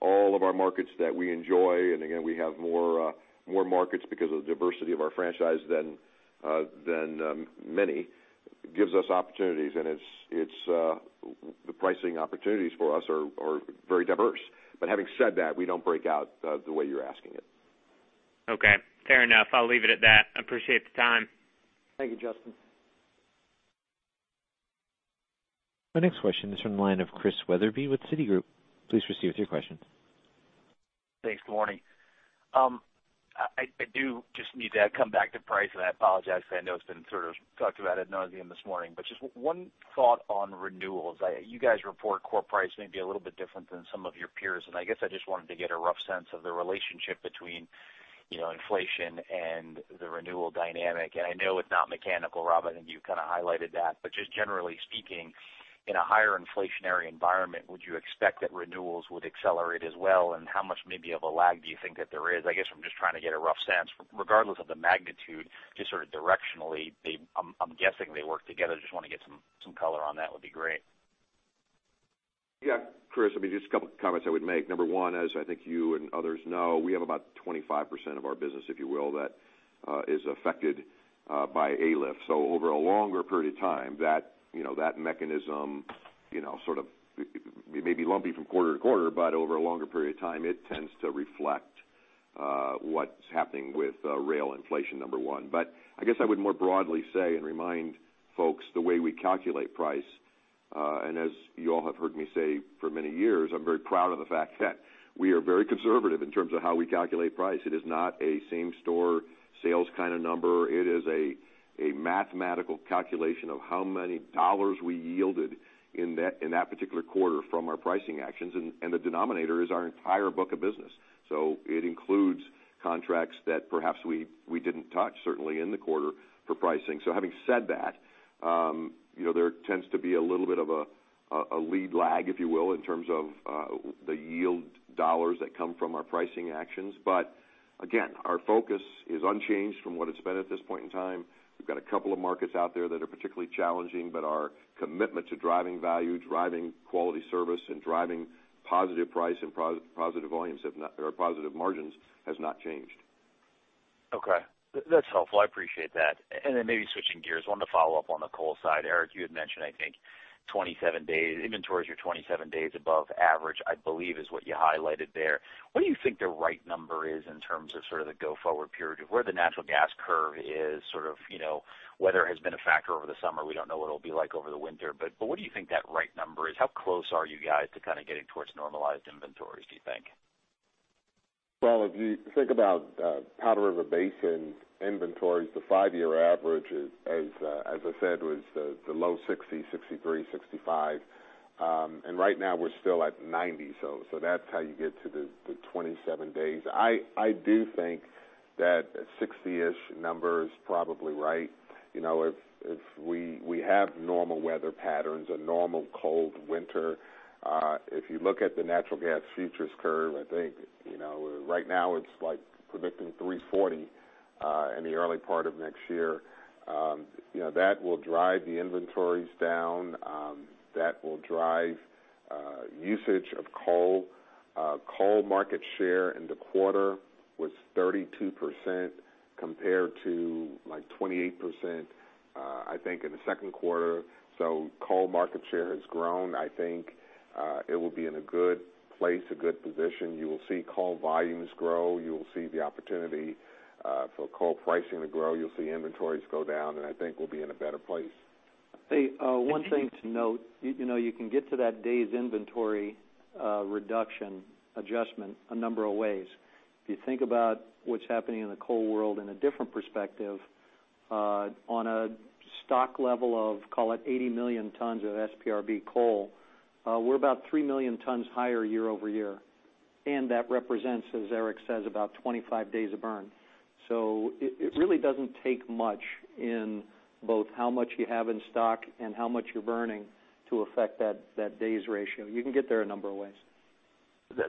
All of our markets that we enjoy, again, we have more markets because of the diversity of our franchise than many, gives us opportunities. The pricing opportunities for us are very diverse. Having said that, we don't break out the way you're asking it. Okay. Fair enough. I'll leave it at that. Appreciate the time. Thank you, Justin. My next question is from the line of Chris Wetherbee with Citigroup. Please proceed with your question. Thanks. Good morning. I do just need to come back to price. I apologize because I know it's been sort of talked about ad nauseam this morning, but just one thought on renewals. You guys report core price may be a little bit different than some of your peers. I guess I just wanted to get a rough sense of the relationship between inflation and the renewal dynamic. I know it's not mechanical, Rob, I think you kind of highlighted that, but just generally speaking, in a higher inflationary environment, would you expect that renewals would accelerate as well? How much maybe of a lag do you think that there is? I guess I'm just trying to get a rough sense, regardless of the magnitude, just sort of directionally, I'm guessing they work together. I just want to get some color on that would be great. Yeah, Chris, just a couple of comments I would make. Number one, as I think you and others know, we have about 25% of our business, if you will, that is affected by ALIF. Over a longer period of time, that mechanism may be lumpy from quarter to quarter, but over a longer period of time, it tends to reflect what's happening with rail inflation, number one. I guess I would more broadly say and remind folks the way we calculate price. As you all have heard me say for many years, I'm very proud of the fact that we are very conservative in terms of how we calculate price. It is not a same-store sales kind of number. It is a mathematical calculation of how many dollars we yielded in that particular quarter from our pricing actions. The denominator is our entire book of business. It includes contracts that perhaps we didn't touch, certainly in the quarter, for pricing. Having said that, there tends to be a little bit of a lead lag, if you will, in terms of the yield dollars that come from our pricing actions. Again, our focus is unchanged from what it's been at this point in time. We've got a couple of markets out there that are particularly challenging, but our commitment to driving value, driving quality service, and driving positive price and positive margins, has not changed. Okay. That's helpful. I appreciate that. Then maybe switching gears, wanted to follow up on the coal side. Eric, you had mentioned, I think, inventories are 27 days above average, I believe is what you highlighted there. What do you think the right number is in terms of the go-forward period, where the natural gas curve is? Weather has been a factor over the summer. We don't know what it'll be like over the winter. What do you think that right number is? How close are you guys to kind of getting towards normalized inventories, do you think? If you think about Powder River Basin inventories, the five-year average, as I said, was the low 60, 63, 65. Right now, we're still at 90. That's how you get to the 27 days. I do think that a 60-ish number is probably right. If we have normal weather patterns, a normal cold winter, if you look at the natural gas futures curve, I think right now it's predicting 340 in the early part of next year. That will drive the inventories down. That will drive usage of coal. Coal market share in the quarter was 32% compared to 28%, I think, in the second quarter. Coal market share has grown. I think it will be in a good place, a good position. You will see coal volumes grow. You will see the opportunity for coal pricing to grow. You'll see inventories go down, and I think we'll be in a better place. Hey, one thing to note, you can get to that day's inventory reduction adjustment a number of ways. If you think about what's happening in the coal world in a different perspective, on a stock level of, call it 80 million tons of SPRB coal, we're about 3 million tons higher year-over-year, and that represents, as Eric says, about 25 days of burn. It really doesn't take much in both how much you have in stock and how much you're burning to affect that days ratio. You can get there a number of ways.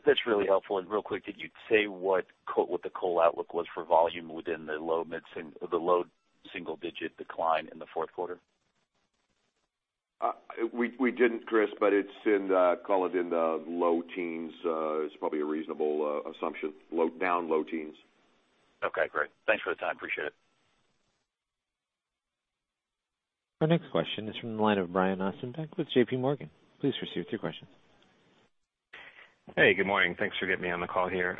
That's really helpful. Real quick, could you say what the coal outlook was for volume within the low single-digit decline in the fourth quarter? We didn't, Chris, but it's in, call it in the low teens, is probably a reasonable assumption. Down low teens. Okay, great. Thanks for the time. Appreciate it. Our next question is from the line of Brian Ossenbeck with JP Morgan. Please proceed with your question. Hey, good morning. Thanks for getting me on the call here.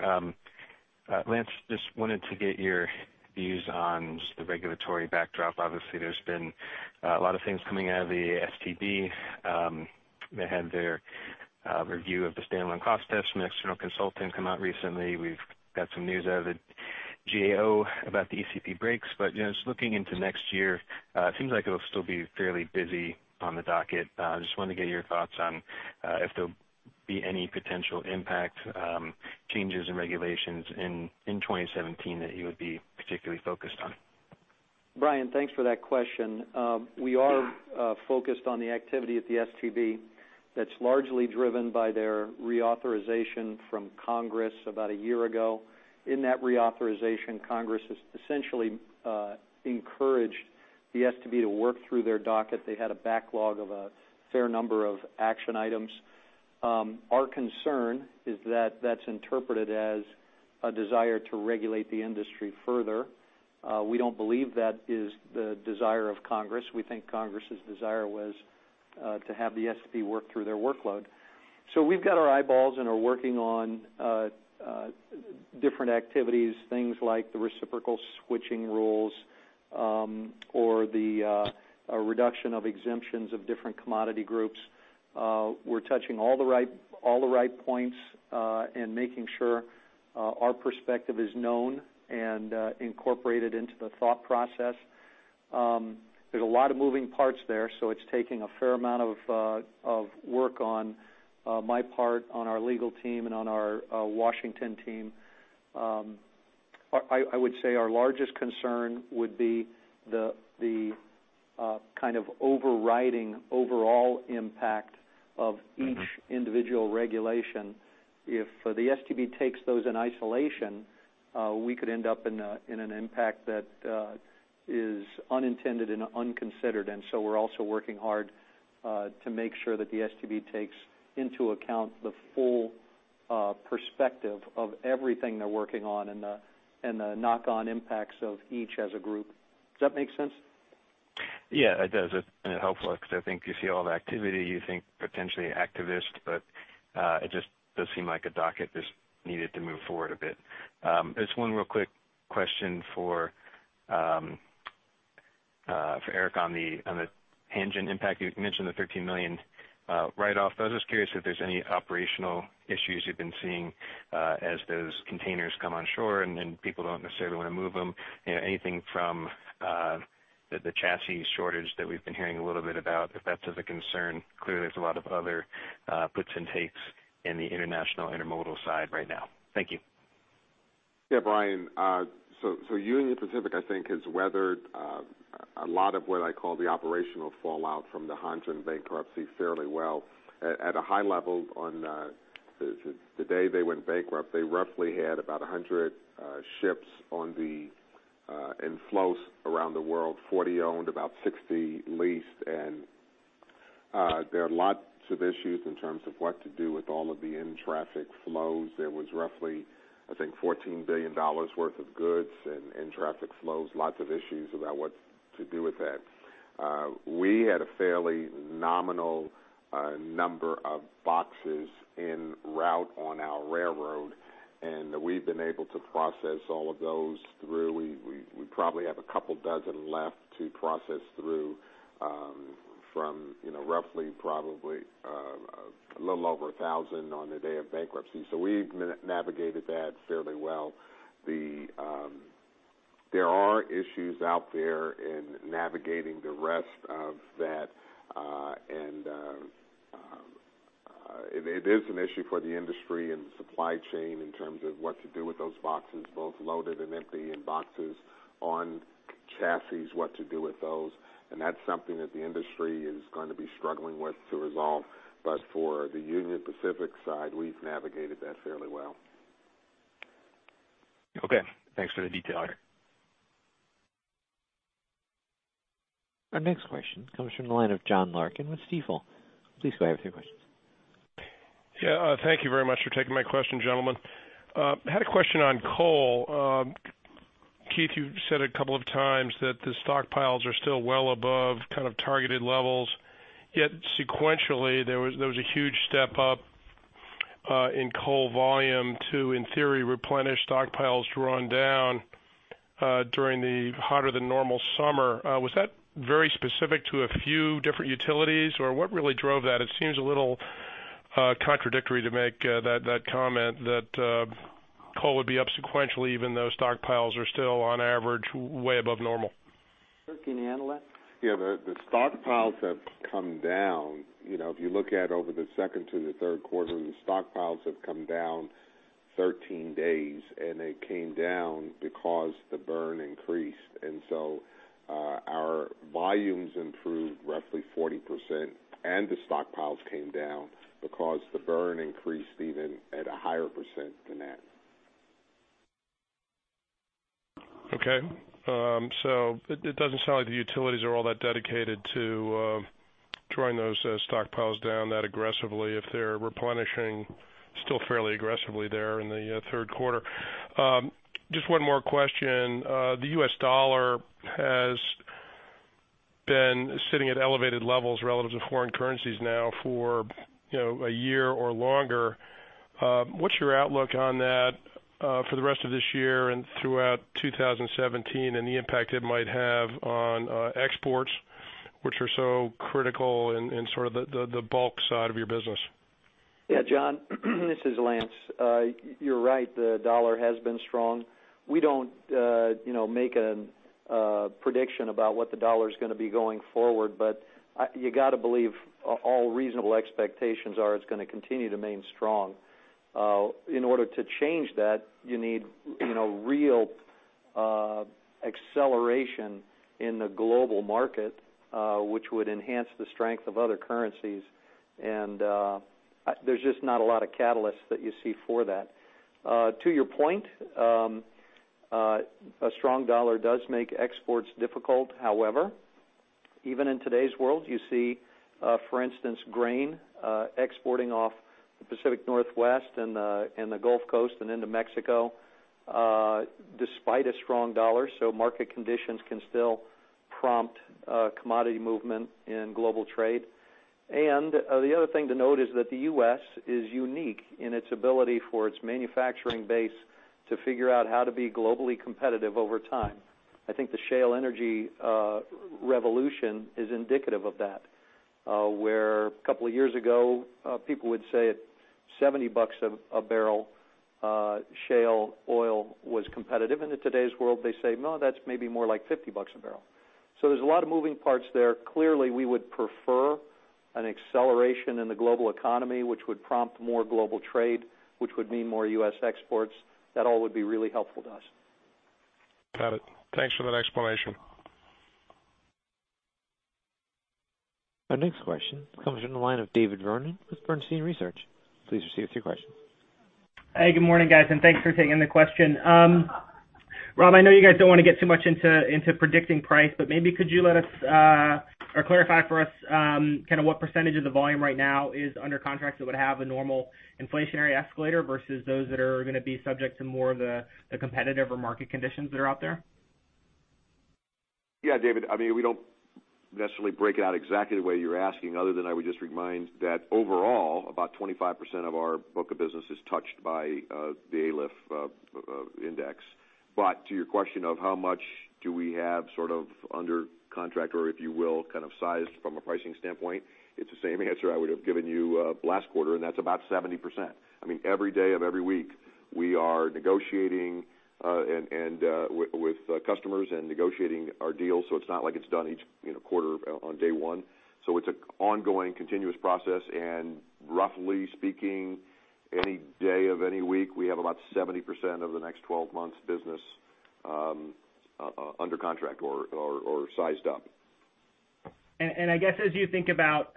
Lance, just wanted to get your views on just the regulatory backdrop. Obviously, there's been a lot of things coming out of the STB. They had their review of the Stand-Alone Cost test from an external consultant come out recently. We've got some news out of the GAO about the ECP brakes. Just looking into next year, it seems like it'll still be fairly busy on the docket. Just wanted to get your thoughts on if there'll be any potential impact changes in regulations in 2017 that you would be particularly focused on. Brian, thanks for that question. We are focused on the activity at the STB that's largely driven by their reauthorization from Congress about a year ago. In that reauthorization, Congress has essentially encouraged the STB to work through their docket. They had a backlog of a fair number of action items. Our concern is that that's interpreted as a desire to regulate the industry further. We don't believe that is the desire of Congress. We think Congress's desire was to have the STB work through their workload. We've got our eyeballs and are working on different activities, things like the reciprocal switching rules or the reduction of exemptions of different commodity groups. We're touching all the right points and making sure our perspective is known and incorporated into the thought process. There's a lot of moving parts there, it's taking a fair amount of work on my part, on our legal team, and on our Washington team. I would say our largest concern would be the kind of overriding overall impact of each individual regulation. If the STB takes those in isolation We could end up in an impact that is unintended and unconsidered. We're also working hard to make sure that the STB takes into account the full perspective of everything they're working on and the knock-on impacts of each as a group. Does that make sense? It does, it helps a lot because I think you see all the activity, you think potentially activist, it just does seem like a docket just needed to move forward a bit. Just one real quick question for Eric on the Hanjin impact. You mentioned the $13 million write-off. I was just curious if there's any operational issues you've been seeing as those containers come onshore and then people don't necessarily want to move them. Anything from the chassis shortage that we've been hearing a little bit about, if that's of a concern. There's a lot of other puts and takes in the international intermodal side right now. Thank you. Brian. Union Pacific, I think, has weathered a lot of what I call the operational fallout from the Hanjin bankruptcy fairly well. At a high level, on the day they went bankrupt, they roughly had about 100 ships in flows around the world, 40 owned, about 60 leased. There are lots of issues in terms of what to do with all of the in-traffic flows. There was roughly, I think, $14 billion worth of goods and in-traffic flows, lots of issues about what to do with that. We had a fairly nominal number of boxes en route on our railroad, and we've been able to process all of those through. We probably have a couple dozen left to process through from roughly, probably, a little over 1,000 on the day of bankruptcy. We've navigated that fairly well. There are issues out there in navigating the rest of that, it is an issue for the industry and the supply chain in terms of what to do with those boxes, both loaded and empty, and boxes on chassis, what to do with those. That's something that the industry is going to be struggling with to resolve. For the Union Pacific side, we've navigated that fairly well. Okay, thanks for the detail, Eric. Our next question comes from the line of John Larkin with Stifel. Please go ahead with your questions. Yeah. Thank you very much for taking my question, gentlemen. I had a question on coal. Keith, you said a couple of times that the stockpiles are still well above kind of targeted levels, yet sequentially, there was a huge step up in coal volume to, in theory, replenish stockpiles drawn down during the hotter than normal summer. Was that very specific to a few different utilities, or what really drove that? It seems a little contradictory to make that comment that coal would be up sequentially even though stockpiles are still on average way above normal. Sir, can you handle that? Yeah, the stockpiles have come down. If you look at over the second to the third quarter, the stockpiles have come down 13 days, and they came down because the burn increased. Our volumes improved roughly 40%, and the stockpiles came down because the burn increased even at a higher % than that. Okay. It doesn't sound like the utilities are all that dedicated to drawing those stockpiles down that aggressively if they're replenishing still fairly aggressively there in the third quarter. Just one more question. The U.S. dollar has been sitting at elevated levels relative to foreign currencies now for one year or longer. What's your outlook on that for the rest of this year and throughout 2017 and the impact it might have on exports, which are so critical in sort of the bulk side of your business? Yeah, John, this is Lance. You're right, the dollar has been strong. We don't make a prediction about what the dollar's going to be going forward, you got to believe all reasonable expectations are it's going to continue to remain strong. In order to change that, you need real acceleration in the global market, which would enhance the strength of other currencies. There's just not a lot of catalysts that you see for that. To your point, a strong dollar does make exports difficult. However, even in today's world, you see, for instance, grain exporting off the Pacific Northwest and the Gulf Coast and into Mexico despite a strong dollar. Market conditions can still prompt commodity movement in global trade. The other thing to note is that the U.S. is unique in its ability for its manufacturing base to figure out how to be globally competitive over time. I think the shale energy revolution is indicative of that, where two years ago, people would say at $70 a barrel, shale oil was competitive. In today's world, they say, "No, that's maybe more like $50 a barrel." There's a lot of moving parts there. Clearly, we would prefer an acceleration in the global economy, which would prompt more global trade, which would mean more U.S. exports. That all would be really helpful to us. Got it. Thanks for that explanation. Our next question comes from the line of David Vernon with Bernstein Research. Please proceed with your question. Hey, good morning, guys, thanks for taking the question. Rob, I know you guys don't want to get too much into predicting price, maybe could you let us, or clarify for us what percentage of the volume right now is under contracts that would have a normal inflationary escalator versus those that are going to be subject to more of the competitive or market conditions that are out there? Yeah, David. We don't necessarily break it out exactly the way you're asking, other than I would just remind that overall, about 25% of our book of business is touched by the ALIF index. To your question of how much do we have sort of under contract, or if you will, kind of sized from a pricing standpoint, it's the same answer I would have given you last quarter, that's about 70%. Every day of every week, we are negotiating with customers and negotiating our deals, it's not like it's done each quarter on day one. It's an ongoing, continuous process and roughly speaking, any day of any week, we have about 70% of the next 12 months business under contract or sized up. I guess as you think about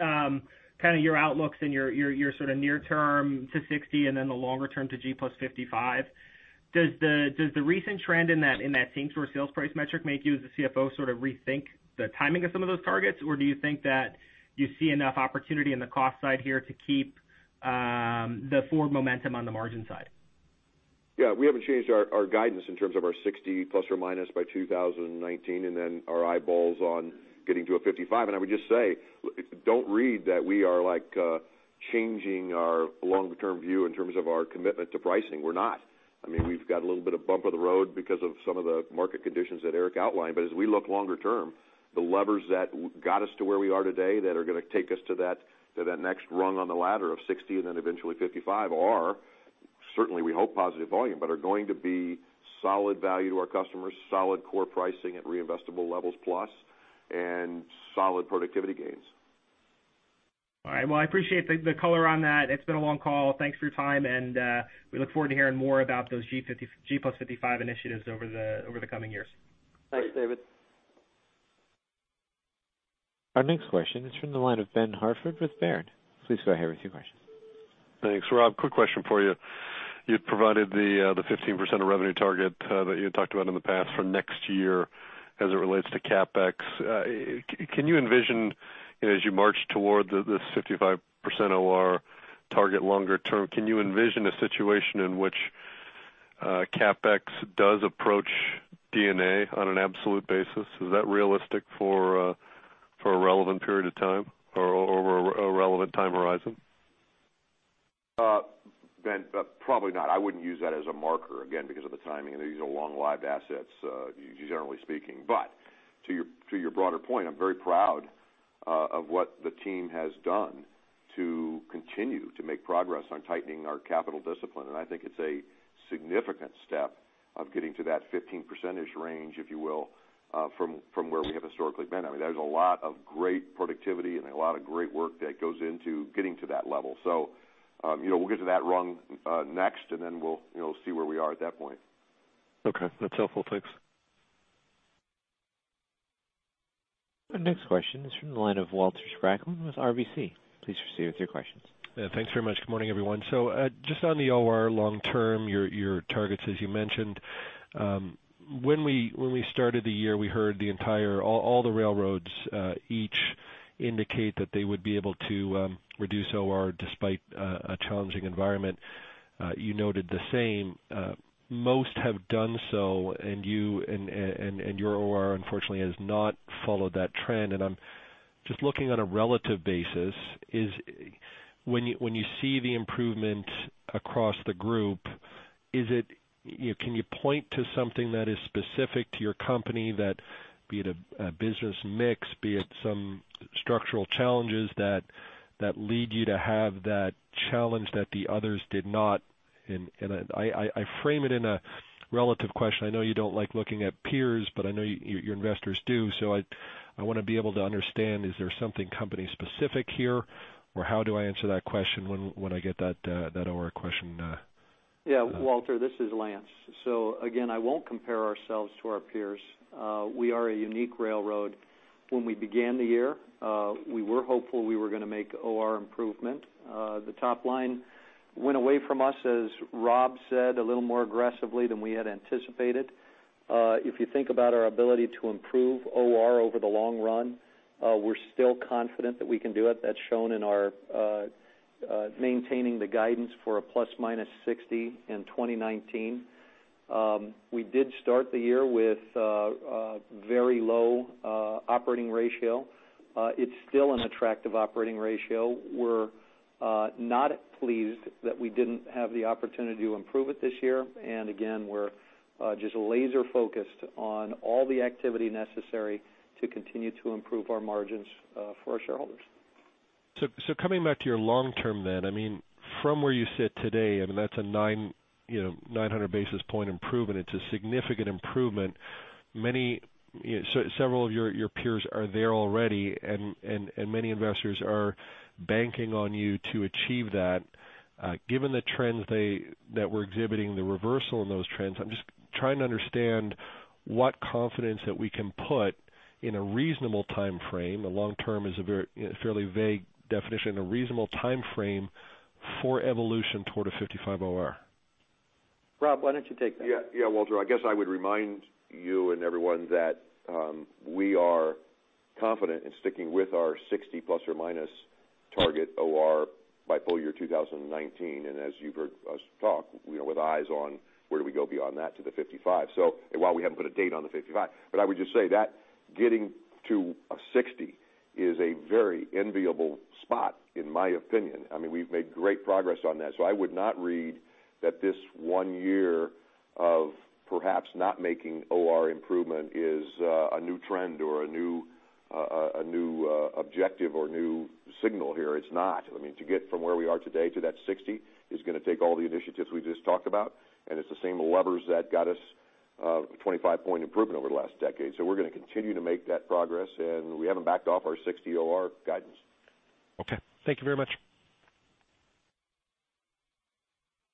your outlooks and your sort of near term to 60% and then the longer term to G55, does the recent trend in that team sort of sales price metric make you, as the CFO, sort of rethink the timing of some of those targets? Do you think that you see enough opportunity in the cost side here to keep the forward momentum on the margin side? Yeah. We haven't changed our guidance in terms of our 60 plus or minus by 2019, and then our eyeballs on getting to a 55. I would just say, don't read that we are changing our longer term view in terms of our commitment to pricing. We're not. We've got a little bit of bump on the road because of some of the market conditions that Erik outlined. As we look longer term, the levers that got us to where we are today, that are going to take us to that next rung on the ladder of 60 and then eventually 55 are, certainly we hope, positive volume, but are going to be solid value to our customers, solid core pricing at reinvestable levels plus, and solid productivity gains. All right. Well, I appreciate the color on that. It's been a long call. Thanks for your time. We look forward to hearing more about those G55 initiatives over the coming years. Thanks, David. Our next question is from the line of Ben Hartford with Baird. Please go ahead with your question. Thanks. Rob, quick question for you. You'd provided the 15% of revenue target that you had talked about in the past for next year as it relates to CapEx. Can you envision, as you march toward this 55% OR target longer term, can you envision a situation in which CapEx does approach D&A on an absolute basis? Is that realistic for a relevant period of time or a relevant time horizon? Ben, probably not. I wouldn't use that as a marker, again, because of the timing, and these are long-lived assets, generally speaking. To your broader point, I'm very proud of what the team has done to continue to make progress on tightening our capital discipline, and I think it's a significant step of getting to that 15% percentage range, if you will, from where we have historically been. There's a lot of great productivity and a lot of great work that goes into getting to that level. We'll get to that rung next, we'll see where we are at that point. Okay, that's helpful. Thanks. Our next question is from the line of Walter Spracklin with RBC. Please proceed with your questions. Thanks very much. Good morning, everyone. Just on the OR long term, your targets, as you mentioned, when we started the year, we heard the entire, all the railroads, each indicate that they would be able to reduce OR despite a challenging environment. You noted the same. Most have done so, your OR, unfortunately, has not followed that trend. I'm just looking on a relative basis, when you see the improvement across the group, can you point to something that is specific to your company that, be it a business mix, be it some structural challenges that lead you to have that challenge that the others did not? I frame it in a relative question. I know you don't like looking at peers, I know your investors do. I want to be able to understand, is there something company specific here? How do I answer that question when I get that OR question? Walter. This is Lance. Again, I won't compare ourselves to our peers. We are a unique railroad. When we began the year, we were hopeful we were going to make OR improvement. The top line went away from us, as Rob said, a little more aggressively than we had anticipated. If you think about our ability to improve OR over the long run, we're still confident that we can do it. That's shown in our maintaining the guidance for a plus/minus 60 in 2019. We did start the year with very low operating ratio. It's still an attractive operating ratio. We're not pleased that we didn't have the opportunity to improve it this year. Again, we're just laser focused on all the activity necessary to continue to improve our margins for our shareholders. Coming back to your long term, from where you sit today, that's a 900 basis points improvement. It's a significant improvement. Several of your peers are there already, many investors are banking on you to achieve that. Given the trends that we're exhibiting, the reversal in those trends, I'm just trying to understand what confidence that we can put in a reasonable timeframe, long term is a fairly vague definition, a reasonable timeframe for evolution toward a 55 OR? Rob, why don't you take that? Walter, I guess I would remind you and everyone that we are confident in sticking with our 60 ± target OR by full year 2019. As you've heard us talk, with eyes on where do we go beyond that to the 55. While we haven't put a date on the 55, I would just say that getting to a 60 is a very enviable spot in my opinion. We've made great progress on that. I would not read that this one year of perhaps not making OR improvement is a new trend or a new objective or new signal here. It's not. To get from where we are today to that 60 is going to take all the initiatives we just talked about, and it's the same levers that got us a 25-point improvement over the last decade. We're going to continue to make that progress, and we haven't backed off our 60 OR guidance. Okay. Thank you very much.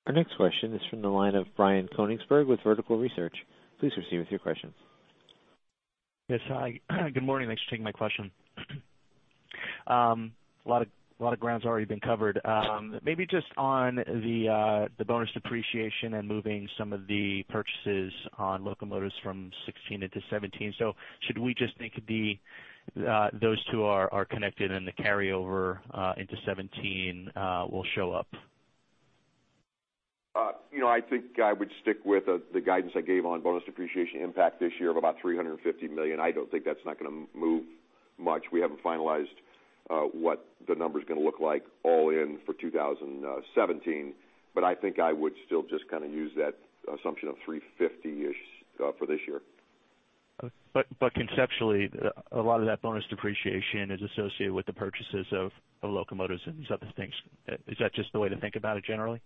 Our next question is from the line of Brian Konigsberg with Vertical Research. Please proceed with your question. Yes, hi. Good morning. Thanks for taking my question. A lot of ground has already been covered. Maybe just on the bonus depreciation and moving some of the purchases on locomotives from 2016 into 2017. Should we just think those two are connected and the carryover into 2017 will show up? I think I would stick with the guidance I gave on bonus depreciation impact this year of about $350 million. I don't think that's not going to move much. We haven't finalized what the number's going to look like all in for 2017, but I think I would still just use that assumption of 350-ish for this year. Conceptually, a lot of that bonus depreciation is associated with the purchases of locomotives and these other things. Is that just the way to think about it generally?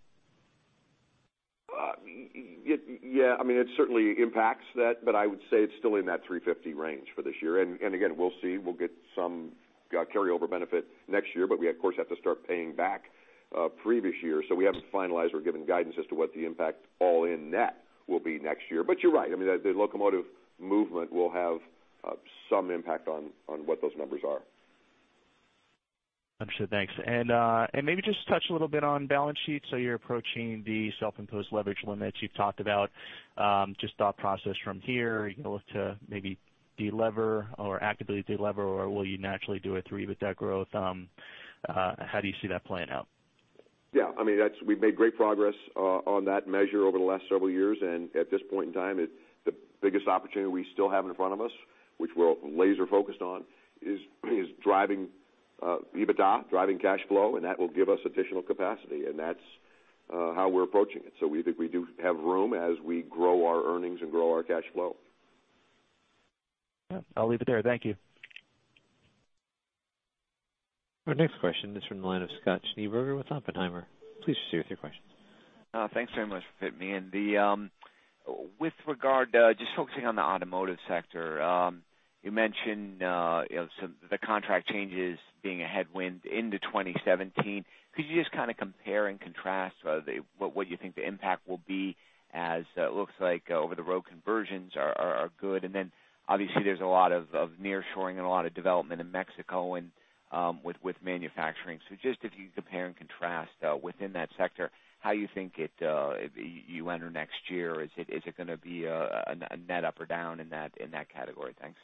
Yeah. It certainly impacts that. I would say it's still in that $350 range for this year. Again, we'll see. We'll get some carryover benefit next year, but we of course, have to start paying back previous years. We haven't finalized or given guidance as to what the impact all in net will be next year. You're right. The locomotive movement will have some impact on what those numbers are. Understood. Thanks. Maybe just touch a little bit on balance sheet. You're approaching the self-imposed leverage limits you've talked about, just thought process from here, are you going to look to maybe de-lever or actively de-lever, or will you naturally do it through EBITDA growth? How do you see that playing out? Yeah. We've made great progress on that measure over the last several years. At this point in time, the biggest opportunity we still have in front of us, which we're laser focused on, is driving EBITDA, driving cash flow. That will give us additional capacity, and that's how we're approaching it. We think we do have room as we grow our earnings and grow our cash flow. Yeah. I'll leave it there. Thank you. Our next question is from the line of Scott Schneeberger with Oppenheimer. Please proceed with your question. Thanks very much for fitting me in. With regard, just focusing on the automotive sector, you mentioned the contract changes being a headwind into 2017. Could you just compare and contrast what you think the impact will be as it looks like over-the-road conversions are good, and then obviously there's a lot of nearshoring and a lot of development in Mexico with manufacturing. Just if you compare and contrast within that sector, how you think you enter next year, is it going to be a net up or down in that category? Thanks.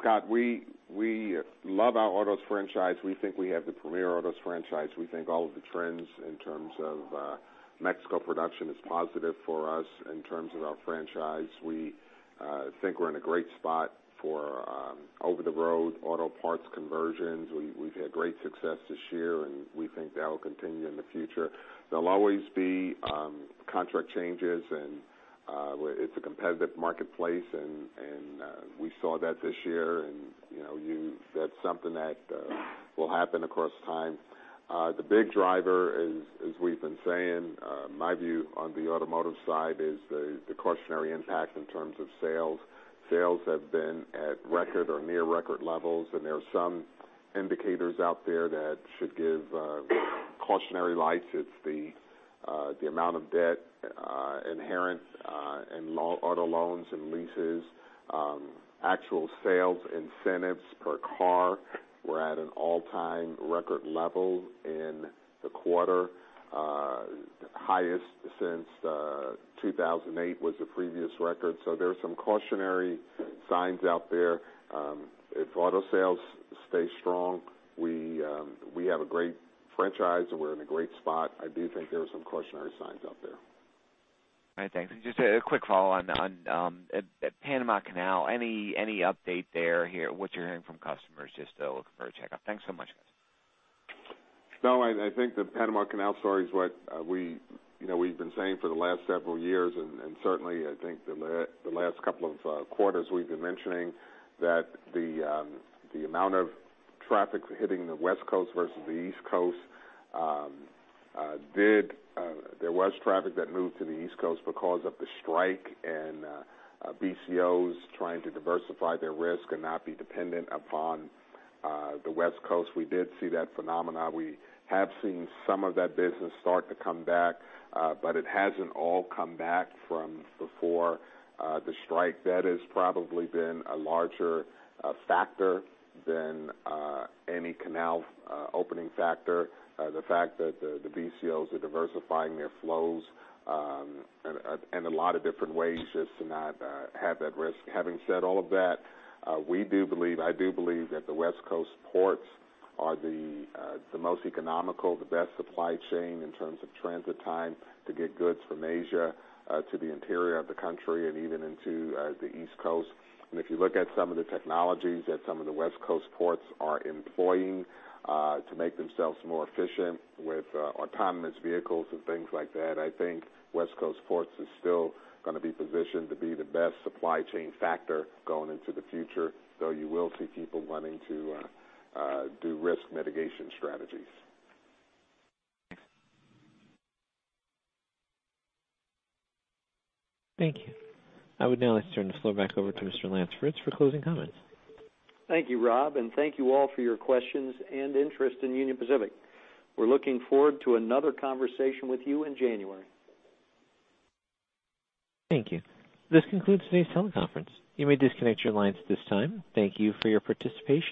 Scott, we love our autos franchise. We think we have the premier autos franchise. We think all of the trends in terms of Mexico production is positive for us in terms of our franchise. We think we're in a great spot for over-the-road auto parts conversions. We've had great success this year. We think that will continue in the future. There'll always be contract changes. It's a competitive marketplace. We saw that this year. That's something that will happen across time. The big driver, as we've been saying, my view on the automotive side is the cautionary impact in terms of sales. Sales have been at record or near record levels. There are some indicators out there that should give cautionary license, the amount of debt inherent in auto loans and leases. Actual sales incentives per car were at an all-time record level in the quarter. Highest since 2008 was the previous record. There are some cautionary signs out there. If auto sales stay strong, we have a great franchise. We're in a great spot. I do think there are some cautionary signs out there. All right. Thanks. Just a quick follow-on at Panama Canal, any update there? What you're hearing from customers, just looking for a checkup. Thanks so much, guys. No, I think the Panama Canal story is what we've been saying for the last several years, certainly I think the last couple of quarters we've been mentioning that the amount of traffic hitting the West Coast versus the East Coast, there was traffic that moved to the East Coast because of the strike and BCOs trying to diversify their risk and not be dependent upon the West Coast. We did see that phenomena. We have seen some of that business start to come back, but it hasn't all come back from before the strike. That has probably been a larger factor than any canal opening factor. The fact that the BCOs are diversifying their flows in a lot of different ways just to not have that risk. Having said all of that, we do believe, I do believe that the West Coast ports are the most economical, the best supply chain in terms of transit time to get goods from Asia to the interior of the country and even into the East Coast. If you look at some of the technologies that some of the West Coast ports are employing to make themselves more efficient with autonomous vehicles and things like that, I think West Coast ports is still going to be positioned to be the best supply chain factor going into the future, though you will see people wanting to do risk mitigation strategies. Thanks. Thank you. I would now like to turn the floor back over to Mr. Lance Fritz for closing comments. Thank you, Rob, and thank you all for your questions and interest in Union Pacific. We're looking forward to another conversation with you in January. Thank you. This concludes today's teleconference. You may disconnect your lines at this time. Thank you for your participation.